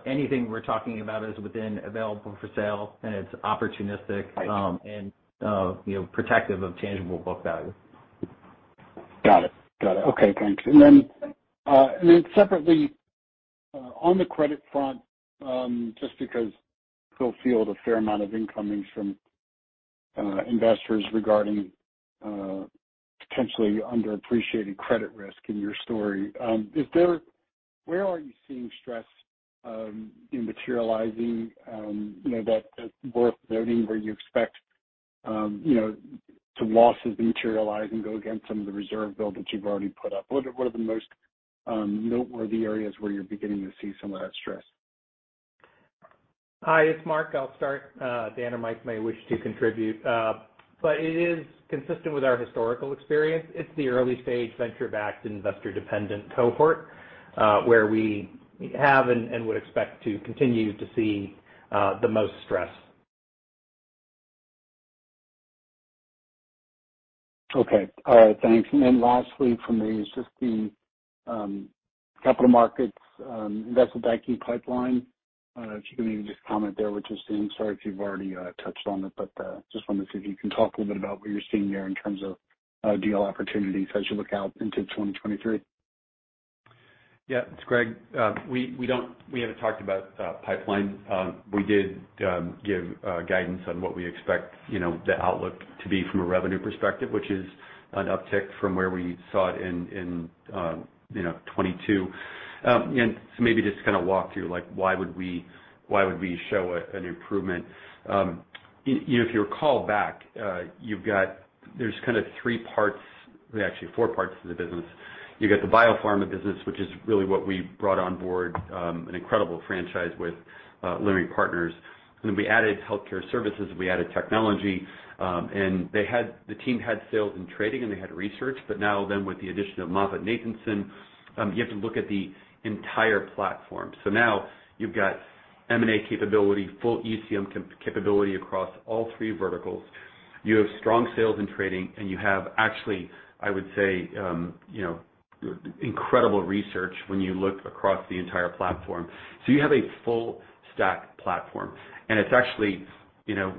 anything we're talking about is within available for sale. Right... you know, protective of tangible book value. Got it. Got it. Okay, thanks. Then, separately, on the credit front, just because we still field a fair amount of incomings from investors regarding potentially underappreciating credit risk in your story, where are you seeing stress, materializing, you know, that is worth noting where you expect, you know, some losses to materialize and go against some of the reserve build that you've already put up? What are the most noteworthy areas where you're beginning to see some of that stress? Hi, it's Mark. I'll start. Dan or Mike may wish to contribute. It is consistent with our historical experience. It's the early-stage venture-backed investor-dependent cohort, where we have and would expect to continue to see, the most stress. Okay. All right. Thanks. Lastly from me is just the capital markets, investment banking pipeline. If you can maybe just comment there. Sorry if you've already touched on it, but just wanted to see if you can talk a little bit about what you're seeing there in terms of deal opportunities as you look out into 2023. Yeah. It's Greg. We haven't talked about pipeline. We did give guidance on what we expect, you know, the outlook to be from a revenue perspective, which is an uptick from where we saw it in, you know, 22. Maybe just to kind of walk through, like, why would we, why would we show an improvement. You know, if you recall back, there's kind of three parts, actually four parts to the business. You got the biopharma business, which is really what we brought on board, an incredible franchise with Lending Partners. Then we added healthcare services, we added technology, and the team had sales and trading, and they had research. With the addition of MoffettNathanson, you have to look at the entire platform. You've got M&A capability, full ECM capability across all three verticals. You have strong sales and trading, you have actually, you know, incredible research when you look across the entire platform. You have a full stack platform. It's actually, you know,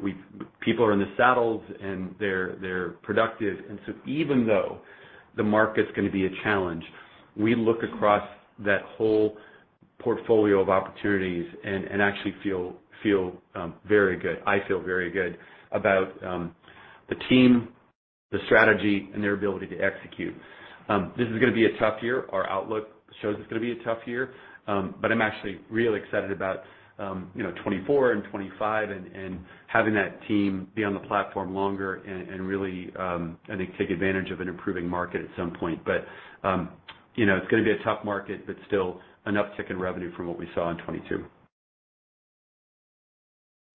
people are in the saddles, and they're productive. Even though the market's gonna be a challenge, we look across that whole portfolio of opportunities and actually feel very good. I feel very good about the team, the strategy, and their ability to execute. This is gonna be a tough year. Our outlook shows it's gonna be a tough year. I'm actually really excited about, you know, 2024 and 2025 and having that team be on the platform longer and really, I think, take advantage of an improving market at some point. You know, it's gonna be a tough market, but still an uptick in revenue from what we saw in 2022.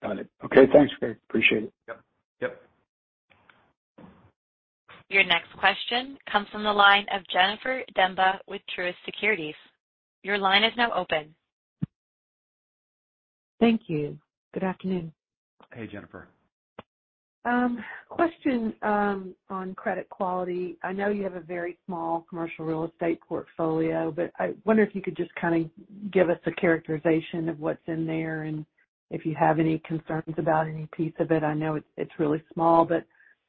Got it. Okay, thanks, Greg. Appreciate it. Yep. Yep. Your next question comes from the line of Jennifer Demba with Truist Securities. Your line is now open. Thank you. Good afternoon. Hey, Jennifer. Question, on credit quality. I know you have a very small commercial real estate portfolio. I wonder if you could just kind of give us a characterization of what's in there and if you have any concerns about any piece of it. I know it's really small. A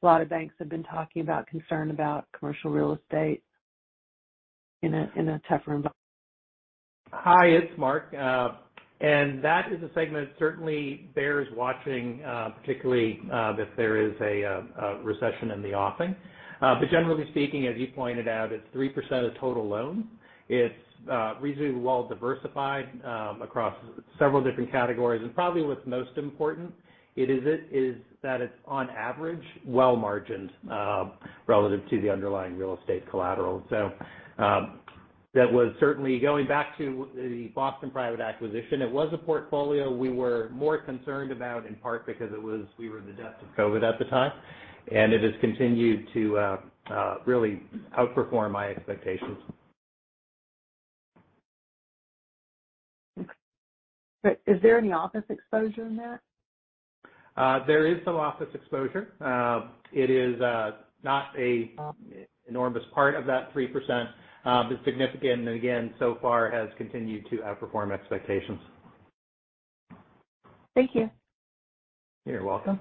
lot of banks have been talking about concern about commercial real estate in a tougher environment. Hi, it's Mark. That is a segment that certainly bears watching, particularly if there is a recession in the offing. Generally speaking, as you pointed out, it's 3% of total loans. It's reasonably well diversified across several different categories. Probably what's most important it is that it's on average well margined, relative to the underlying real estate collateral. That was certainly going back to the Boston Private acquisition. It was a portfolio we were more concerned about, in part because we were at the depth of COVID at the time. It has continued to really outperform my expectations. Okay. Is there any office exposure in that? There is some office exposure. It is not a enormous part of that 3%. Significant, and again, so far has continued to outperform expectations. Thank you. You're welcome.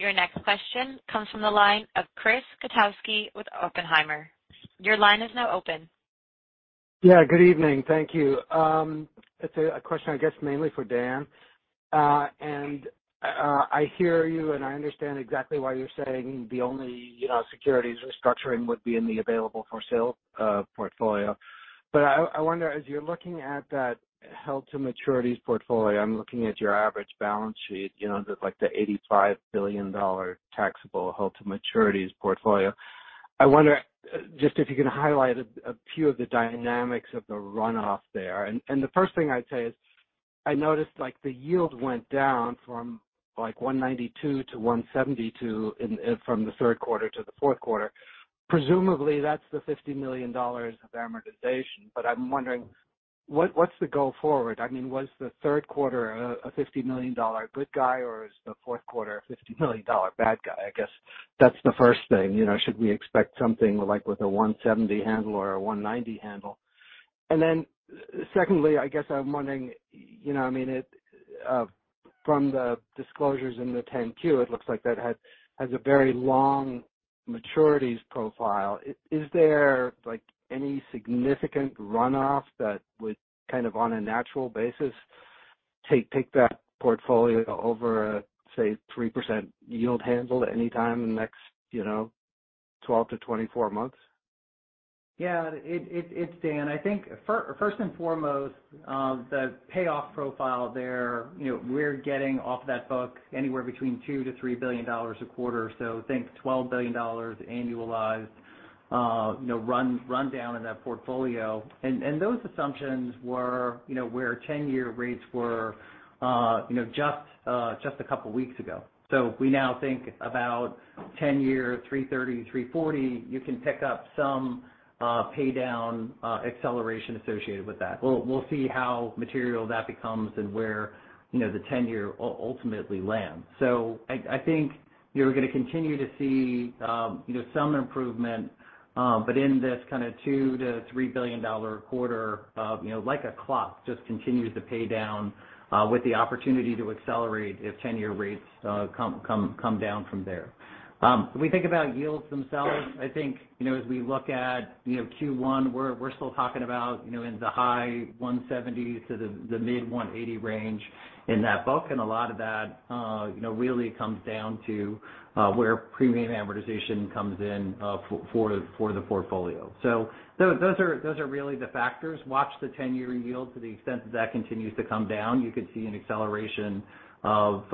Your next question comes from the line of Chris Kotowski with Oppenheimer. Your line is now open. Yeah, good evening. Thank you. It's a question I guess mainly for Dan. I hear you and I understand exactly why you're saying the only, you know, securities restructuring would be in the available for sale portfolio. I wonder, as you're looking at that held to maturities portfolio, I'm looking at your average balance sheet, you know, just like the $85 billion taxable held to maturities portfolio. I wonder just if you can highlight a few of the dynamics of the runoff there. The first thing I'd say is I noticed like the yield went down from like 1.92%-1.72% in, from the third quarter to the fourth quarter. Presumably that's the $50 million of amortization. I'm wondering what's the go forward? I mean, was the third quarter a $50 million good guy or is the fourth quarter a $50 million bad guy? I guess that's the first thing. You know, should we expect something like with a 170 handle or a 190 handle? Secondly, I guess I'm wondering, you know, I mean it from the disclosures in the 10-Q, it looks like that has a very long maturities profile. Is there like any significant runoff that would kind of on a natural basis take that portfolio over, say, 3% yield handle at any time in the next, you know, 12-24 months? It's Dan. I think first and foremost, the payoff profile there, you know, we're getting off that book anywhere between $2 billion-$3 billion a quarter. Think $12 billion annualized, you know, run down in that portfolio. Those assumptions were, you know, where 10 year rates were, you know, just a couple weeks ago. We now think about 10 year 330, 340. You can pick up some pay down acceleration associated with that. We'll see how material that becomes and where, you know, the 10 year ultimately lands. I think you're gonna continue to see, you know, some improvement, but in this kind of $2 billion-$3 billion a quarter, you know, like a clock just continues to pay down, with the opportunity to accelerate if 10-year rates come down from there. We think about yields themselves. I think, you know, as we look at, you know, Q1 we're still talking about, you know, in the high 170 to the mid 180 range in that book. A lot of that, you know, really comes down to where premium amortization comes in for the portfolio. Those are really the factors. Watch the 10-year yield to the extent that that continues to come down. You could see an acceleration of,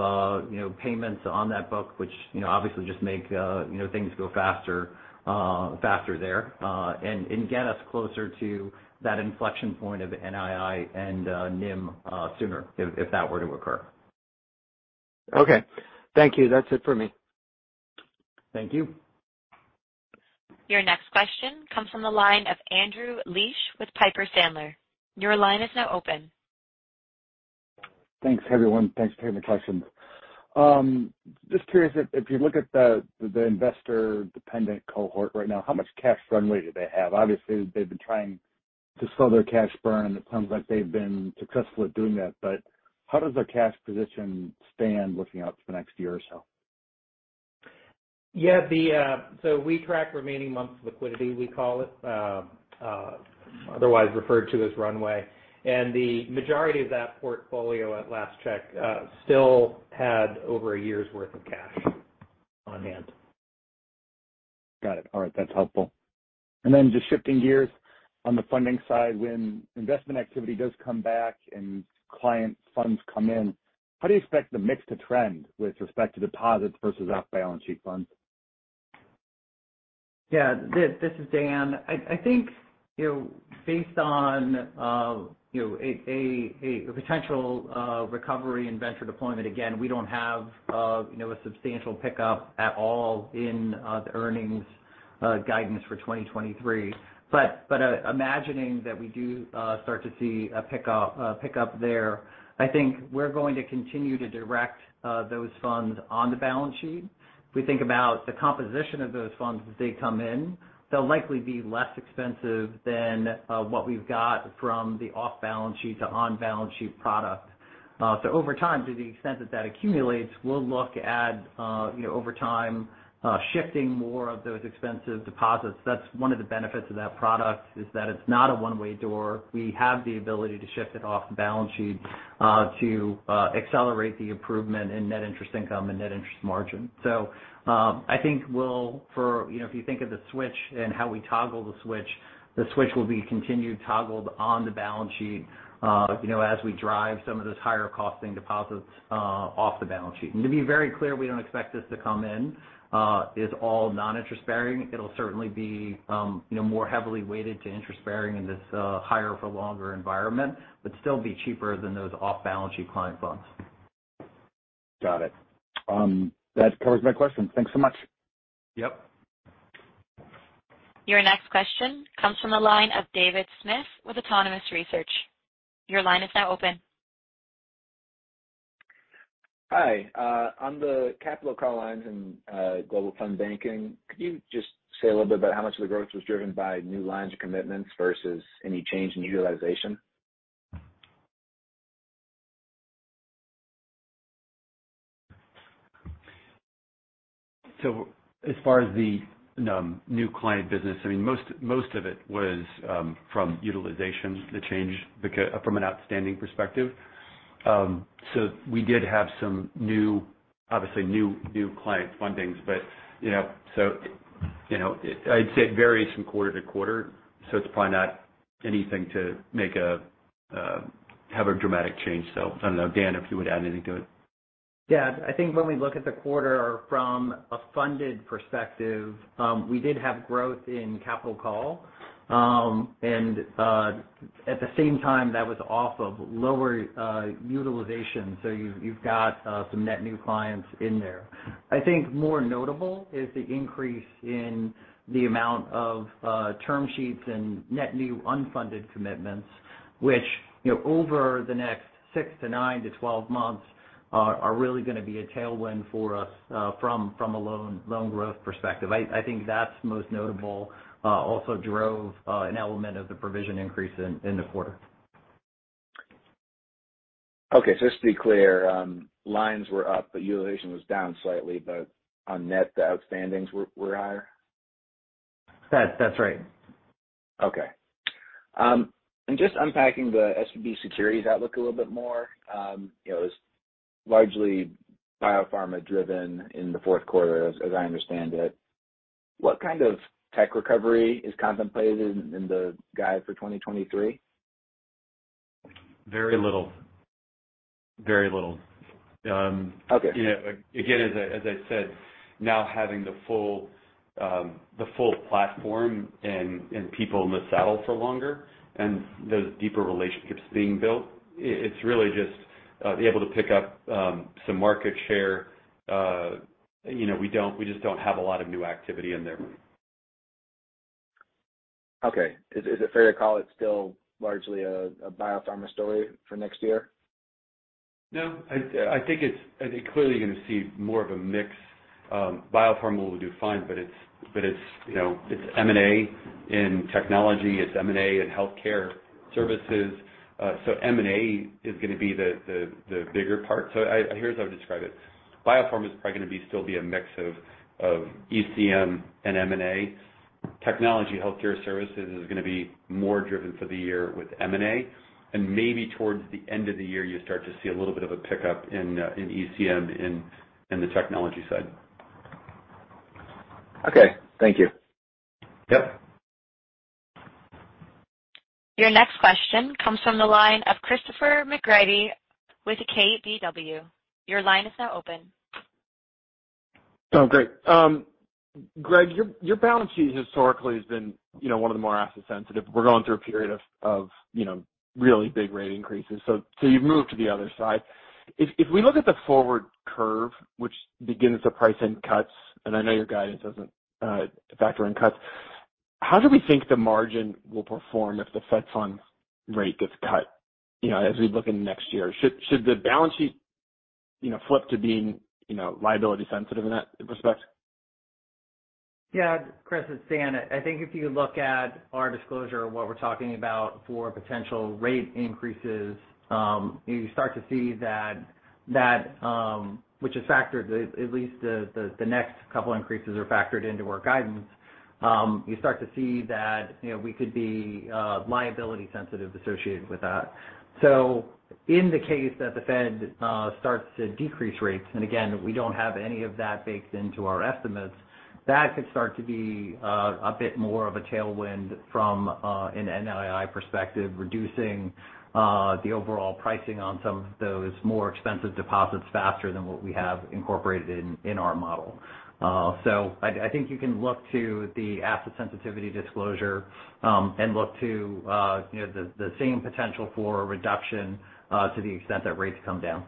you know, payments on that book, which, you know, obviously just make, you know, things go faster there. Get us closer to that inflection point of NII and NIM sooner if that were to occur. Okay. Thank you. That's it for me. Thank you. Your next question comes from the line of Andrew Liesch with Piper Sandler. Your line is now open. Thanks everyone. Thanks for taking the questions. Just curious if you look at the Investor dependent cohort right now, how much cash runway do they have? Obviously, they've been trying to slow their cash burn. It sounds like they've been successful at doing that, but how does their cash position stand looking out to the next year or so? Yeah, the, we track remaining months of liquidity, we call it, otherwise referred to as runway. The majority of that portfolio at last check, still had over 1 year's worth of cash on hand. Got it. All right, that's helpful. Then just shifting gears on the funding side. When investment activity does come back and client funds come in, how do you expect the mix to trend with respect to deposits versus off-balance sheet funds? Yeah, this is Dan. I think, you know, based on, you know, a potential recovery in venture deployment, again, we don't have, you know, a substantial pickup at all in the earnings guidance for 2023. Imagining that we do start to see a pickup there, I think we're going to continue to direct those funds on the balance sheet. If we think about the composition of those funds as they come in, they'll likely be less expensive than what we've got from the off-balance sheet to on balance sheet product. Over time, to the extent that that accumulates, we'll look at, you know, over time, shifting more of those expensive deposits. That's one of the benefits of that product is that it's not a one-way door. We have the ability to shift it off the balance sheet, to accelerate the improvement in net interest income and net interest margin. I think we'll for, you know, if you think of the switch and how we toggle the switch, the switch will be continued toggled on the balance sheet, you know, as we drive some of those higher costing deposits, off the balance sheet. To be very clear, we don't expect this to come in, is all non-interest-bearing. It'll certainly be, you know, more heavily weighted to interest-bearing in this, higher for longer environment, but still be cheaper than those off-balance sheet client funds. Got it. That covers my questions. Thanks so much. Yep. Your next question comes from the line of David Smith with Autonomous Research. Your line is now open. Hi, on the capital call lines and Global Fund Banking, could you just say a little bit about how much of the growth was driven by new lines of commitments versus any change in utilization? As far as the new client business, I mean most of it was from utilization, the change from an outstanding perspective. We did have some new, obviously new client fundings, but, you know. You know, I'd say it varies from quarter to quarter, so it's probably not anything to make a, have a dramatic change. I don't know, Dan, if you would add anything to it. Yeah. I think when we look at the quarter from a funded perspective, we did have growth in capital call. At the same time, that was off of lower utilization. You've got some net new clients in there. I think more notable is the increase in the amount of term sheets and net new unfunded commitments, which, you know, over the next 6-9 -12 months are really gonna be a tailwind for us, from a loan growth perspective. I think that's most notable, also drove an element of the provision increase in the quarter. Okay. Just to be clear, lines were up, but utilization was down slightly, but on net, the outstandings were higher. That's right. Okay. Just unpacking the SVB Securities outlook a little bit more, it was largely biopharma driven in the fourth quarter as I understand it. What kind of tech recovery is contemplated in the guide for 2023? Very little. Very little. Okay. You know, again, as I said, now having the full platform and people in the saddle for longer and those deeper relationships being built, it's really just able to pick up some market share. You know, we don't, we just don't have a lot of new activity in there. Okay. Is it fair to call it still largely a biopharma story for next year? No. I think clearly you're gonna see more of a mix. biopharma will do fine, but it's, you know, it's M&A in technology, it's M&A in healthcare services. M&A is gonna be the bigger part. Here's how I'd describe it. Biopharm is probably gonna still be a mix of ECM and M&A. Technology healthcare services is gonna be more driven for the year with M&A. Maybe towards the end of the year, you start to see a little bit of a pickup in ECM in the technology side. Okay, thank you. Yep. Your next question comes from the line of Christopher McGratty with KBW. Your line is now open. Oh, great. Greg, your balance sheet historically has been, you know, one of the more asset sensitive. We're going through a period of, you know, really big rate increases. You've moved to the other side. If we look at the forward curve, which begins to price in cuts, and I know your guidance doesn't factor in cuts, how do we think the margin will perform if the Fed funds rate gets cut, you know, as we look into next year? Should the balance sheet, you know, flip to being, you know, liability sensitive in that respect? Chris, it's Dan. I think if you look at our disclosure of what we're talking about for potential rate increases, you start to see that, which is factored, at least the next couple increases are factored into our guidance. You start to see that, you know, we could be liability sensitive associated with that. In the case that the Fed starts to decrease rates, and again, we don't have any of that baked into our estimates, that could start to be a bit more of a tailwind from an NII perspective, reducing the overall pricing on some of those more expensive deposits faster than what we have incorporated in our model. I think you can look to the asset sensitivity disclosure, and look to, you know, the same potential for a reduction, to the extent that rates come down.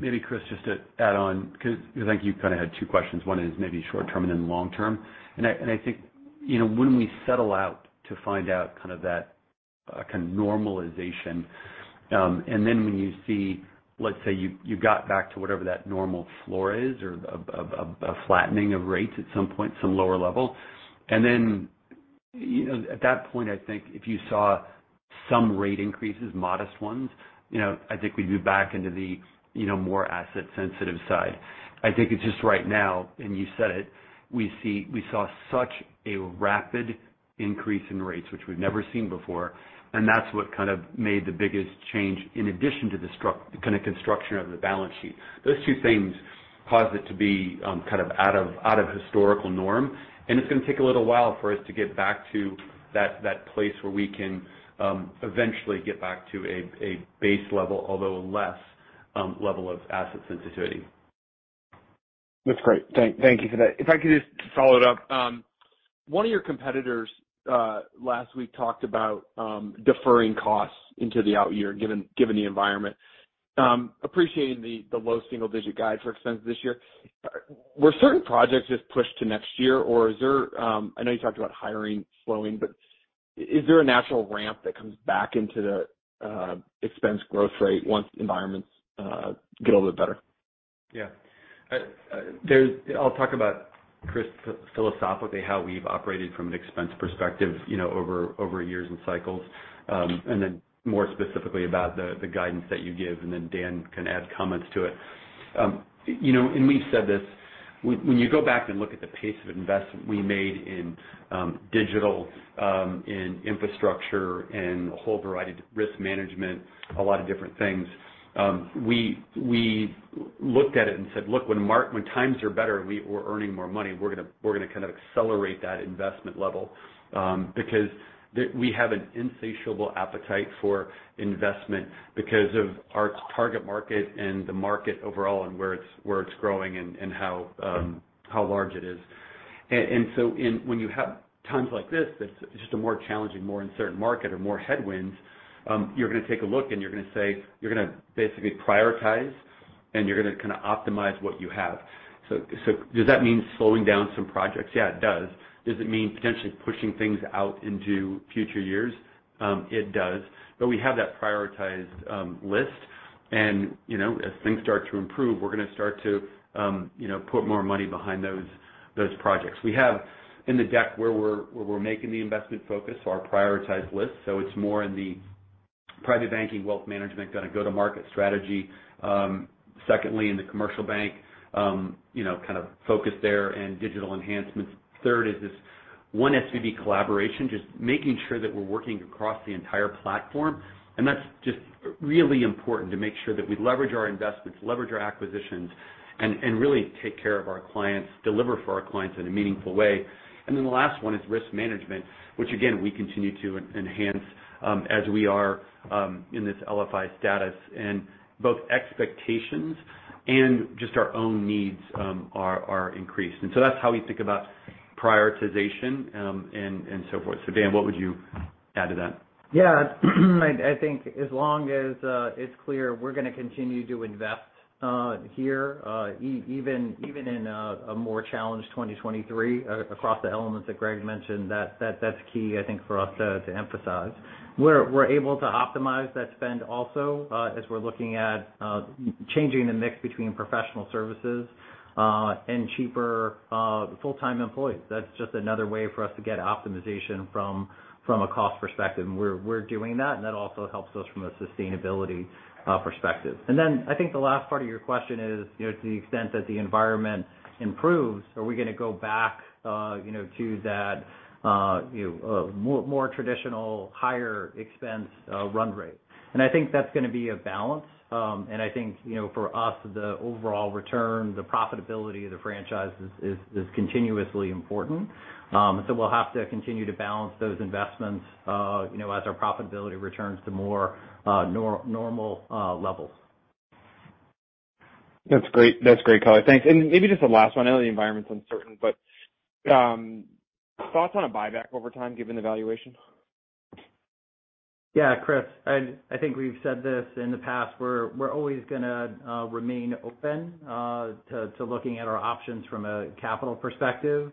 Maybe, Chris, just to add on, 'cause I think you kind of had two questions. One is maybe short-term and then long-term. I think, you know, when we settle out to find out kind of that, kind of normalization, and then when you see, let's say, you got back to whatever that normal floor is or of a flattening of rates at some point, some lower level. Then, you know, at that point, I think if you saw some rate increases, modest ones, you know, I think we'd be back into the, you know, more asset sensitive side. I think it's just right now, and you said it, we saw such a rapid increase in rates, which we've never seen before, and that's what kind of made the biggest change in addition to the kind of construction of the balance sheet. Those two things caused it to be, kind of out of historical norm, and it's gonna take a little while for us to get back to that place where we can, eventually get back to a base level, although less level of asset sensitivity. That's great. Thank you for that. If I could just follow it up. One of your competitors last week talked about deferring costs into the out year, given the environment. Appreciating the low single digit guide for expense this year. Were certain projects just pushed to next year, or, I know you talked about hiring slowing, but is there a natural ramp that comes back into the expense growth rate once environments get a little bit better? Yeah. I'll talk about, Chris, philosophically, how we've operated from an expense perspective, you know, over years and cycles. And then more specifically about the guidance that you give, and then Dan can add comments to it. You know, and we've said this, when you go back and look at the pace of investment we made in digital, in infrastructure and a whole variety of risk management, a lot of different things, we looked at it and said, "Look, when times are better, we're earning more money, we're gonna kind of accelerate that investment level, because we have an insatiable appetite for investment because of our target market and the market overall and where it's growing and how large it is. When you have times like this, that's just a more challenging, more uncertain market or more headwinds, you're gonna take a look and you're gonna say, you're gonna basically prioritize and you're gonna kinda optimize what you have. Does that mean slowing down some projects? Yeah, it does. Does it mean potentially pushing things out into future years? It does. We have that prioritized list. You know, as things start to improve, we're gonna start to, you know, put more money behind those projects. We have in the deck where we're making the investment focus, so our prioritized list. It's more in the private banking, wealth management kind of go-to-market strategy. Secondly, in the commercial bank, you know, kind of focus there and digital enhancements. Third is this One SVB collaboration, just making sure that we're working across the entire platform. That's just really important to make sure that we leverage our investments, leverage our acquisitions, and really take care of our clients, deliver for our clients in a meaningful way. Then the last one is risk management, which again, we continue to enhance, as we are in this LFI status. Both expectations and just our own needs are increased. That's how we think about prioritization, and so forth. Dan, what would you add to that? Yeah. I think as long as it's clear we're gonna continue to invest here, even in a more challenged 2023 across the elements that Greg mentioned, that's key, I think, for us to emphasize. We're able to optimize that spend also, as we're looking at changing the mix between professional services and cheaper full-time employees. That's just another way for us to get optimization from a cost perspective. We're doing that, and that also helps us from a sustainability perspective. Then I think the last part of your question is, you know, to the extent that the environment improves, are we gonna go back, you know, to that, you know, more traditional, higher expense run rate? I think that's gonna be a balance. I think, you know, for us, the overall return, the profitability of the franchise is continuously important. We'll have to continue to balance those investments, you know, as our profitability returns to more normal levels. That's great. That's great color. Thanks. Maybe just the last one. I know the environment's uncertain, but thoughts on a buyback over time given the valuation? Yeah, Chris, I think we've said this in the past. We're always gonna remain open to looking at our options from a capital perspective.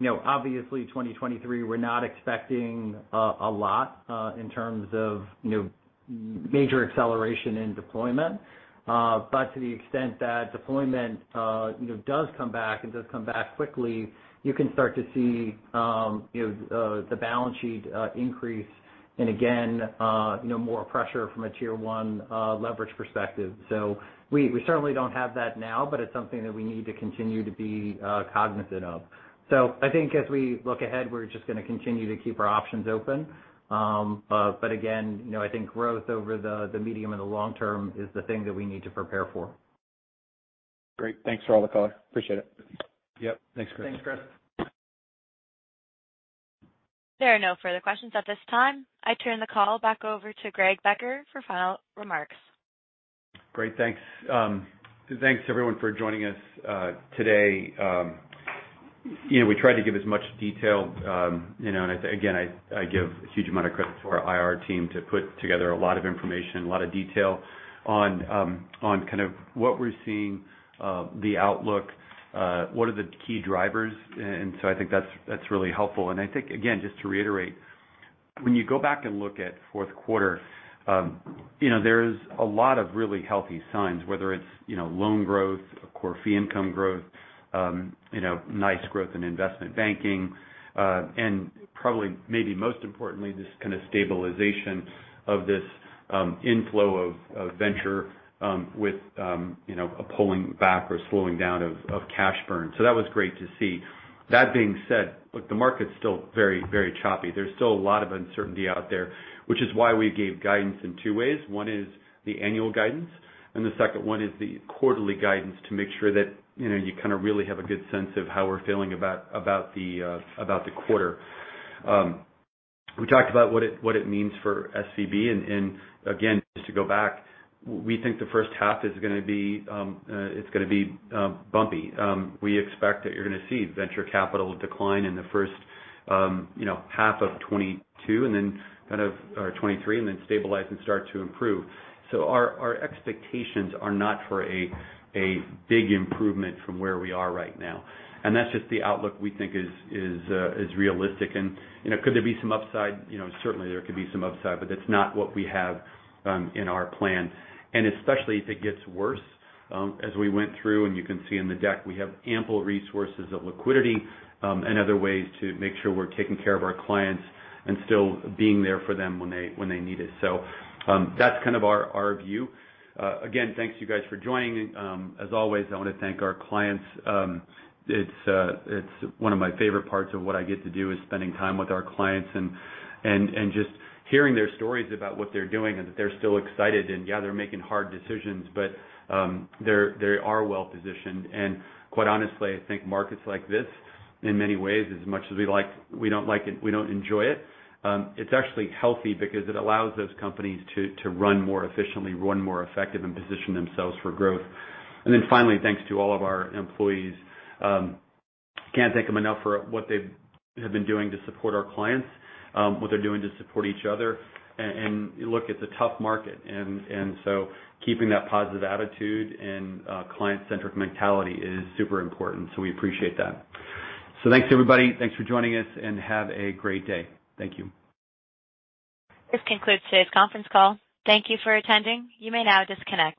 You know, obviously 2023, we're not expecting a lot in terms of, you know, major acceleration in deployment. To the extent that deployment, you know, does come back and does come back quickly, you can start to see, you know, the balance sheet increase and again, you know, more pressure from a Tier 1 leverage perspective. We certainly don't have that now, but it's something that we need to continue to be cognizant of. I think as we look ahead, we're just gonna continue to keep our options open. Again, you know, I think growth over the medium and the long term is the thing that we need to prepare for. Great. Thanks for all the color. Appreciate it. Yep. Thanks, Chris. Thanks, Chris. There are no further questions at this time. I turn the call back over to Greg Becker for final remarks. Great, thanks. Thanks everyone for joining us today. You know, we tried to give as much detail, you know, and again, I give a huge amount of credit to our IR team to put together a lot of information, a lot of detail on kind of what we're seeing, the outlook, what are the key drivers. I think that's really helpful. I think, again, just to reiterate, when you go back and look at fourth quarter, you know, there's a lot of really healthy signs, whether it's, you know, loan growth, of course, fee income growth, you know, nice growth in investment banking, and probably maybe most importantly, this kind of stabilization of this inflow of venture, with, you know, a pulling back or slowing down of cash burn. That was great to see. That being said, look, the market's still very, very choppy. There's still a lot of uncertainty out there, which is why we gave guidance in two ways. One is the annual guidance, and the second one is the quarterly guidance to make sure that, you know, you kind of really have a good sense of how we're feeling about the quarter. We talked about what it, what it means for SVB. Again, just to go back, we think the first half is gonna be, it's gonna be bumpy. We expect that you're gonna see venture capital decline in the first, you know, half of 2022, and then or 2023, and then stabilize and start to improve. Our, our expectations are not for a big improvement from where we are right now. That's just the outlook we think is realistic. You know, could there be some upside? You know, certainly there could be some upside, but that's not what we have in our plan. Especially if it gets worse, as we went through, and you can see in the deck, we have ample resources of liquidity, and other ways to make sure we're taking care of our clients and still being there for them when they need it. That's kind of our view. Again, thanks you guys for joining. As always, I wanna thank our clients. It's one of my favorite parts of what I get to do, is spending time with our clients and just hearing their stories about what they're doing and that they're still excited. Yeah, they're making hard decisions, but they are well-positioned. Quite honestly, I think markets like this in many ways as much as we don't like it, we don't enjoy it's actually healthy because it allows those companies to run more efficiently, run more effective, and position themselves for growth. Then finally, thanks to all of our employees. Can't thank them enough for what they've been doing to support our clients, what they're doing to support each other. Look, it's a tough market and so keeping that positive attitude and client-centric mentality is super important, so we appreciate that. Thanks everybody. Thanks for joining us, and have a great day. Thank you. This concludes today's Conference Call. Thank you for attending. You may now disconnect.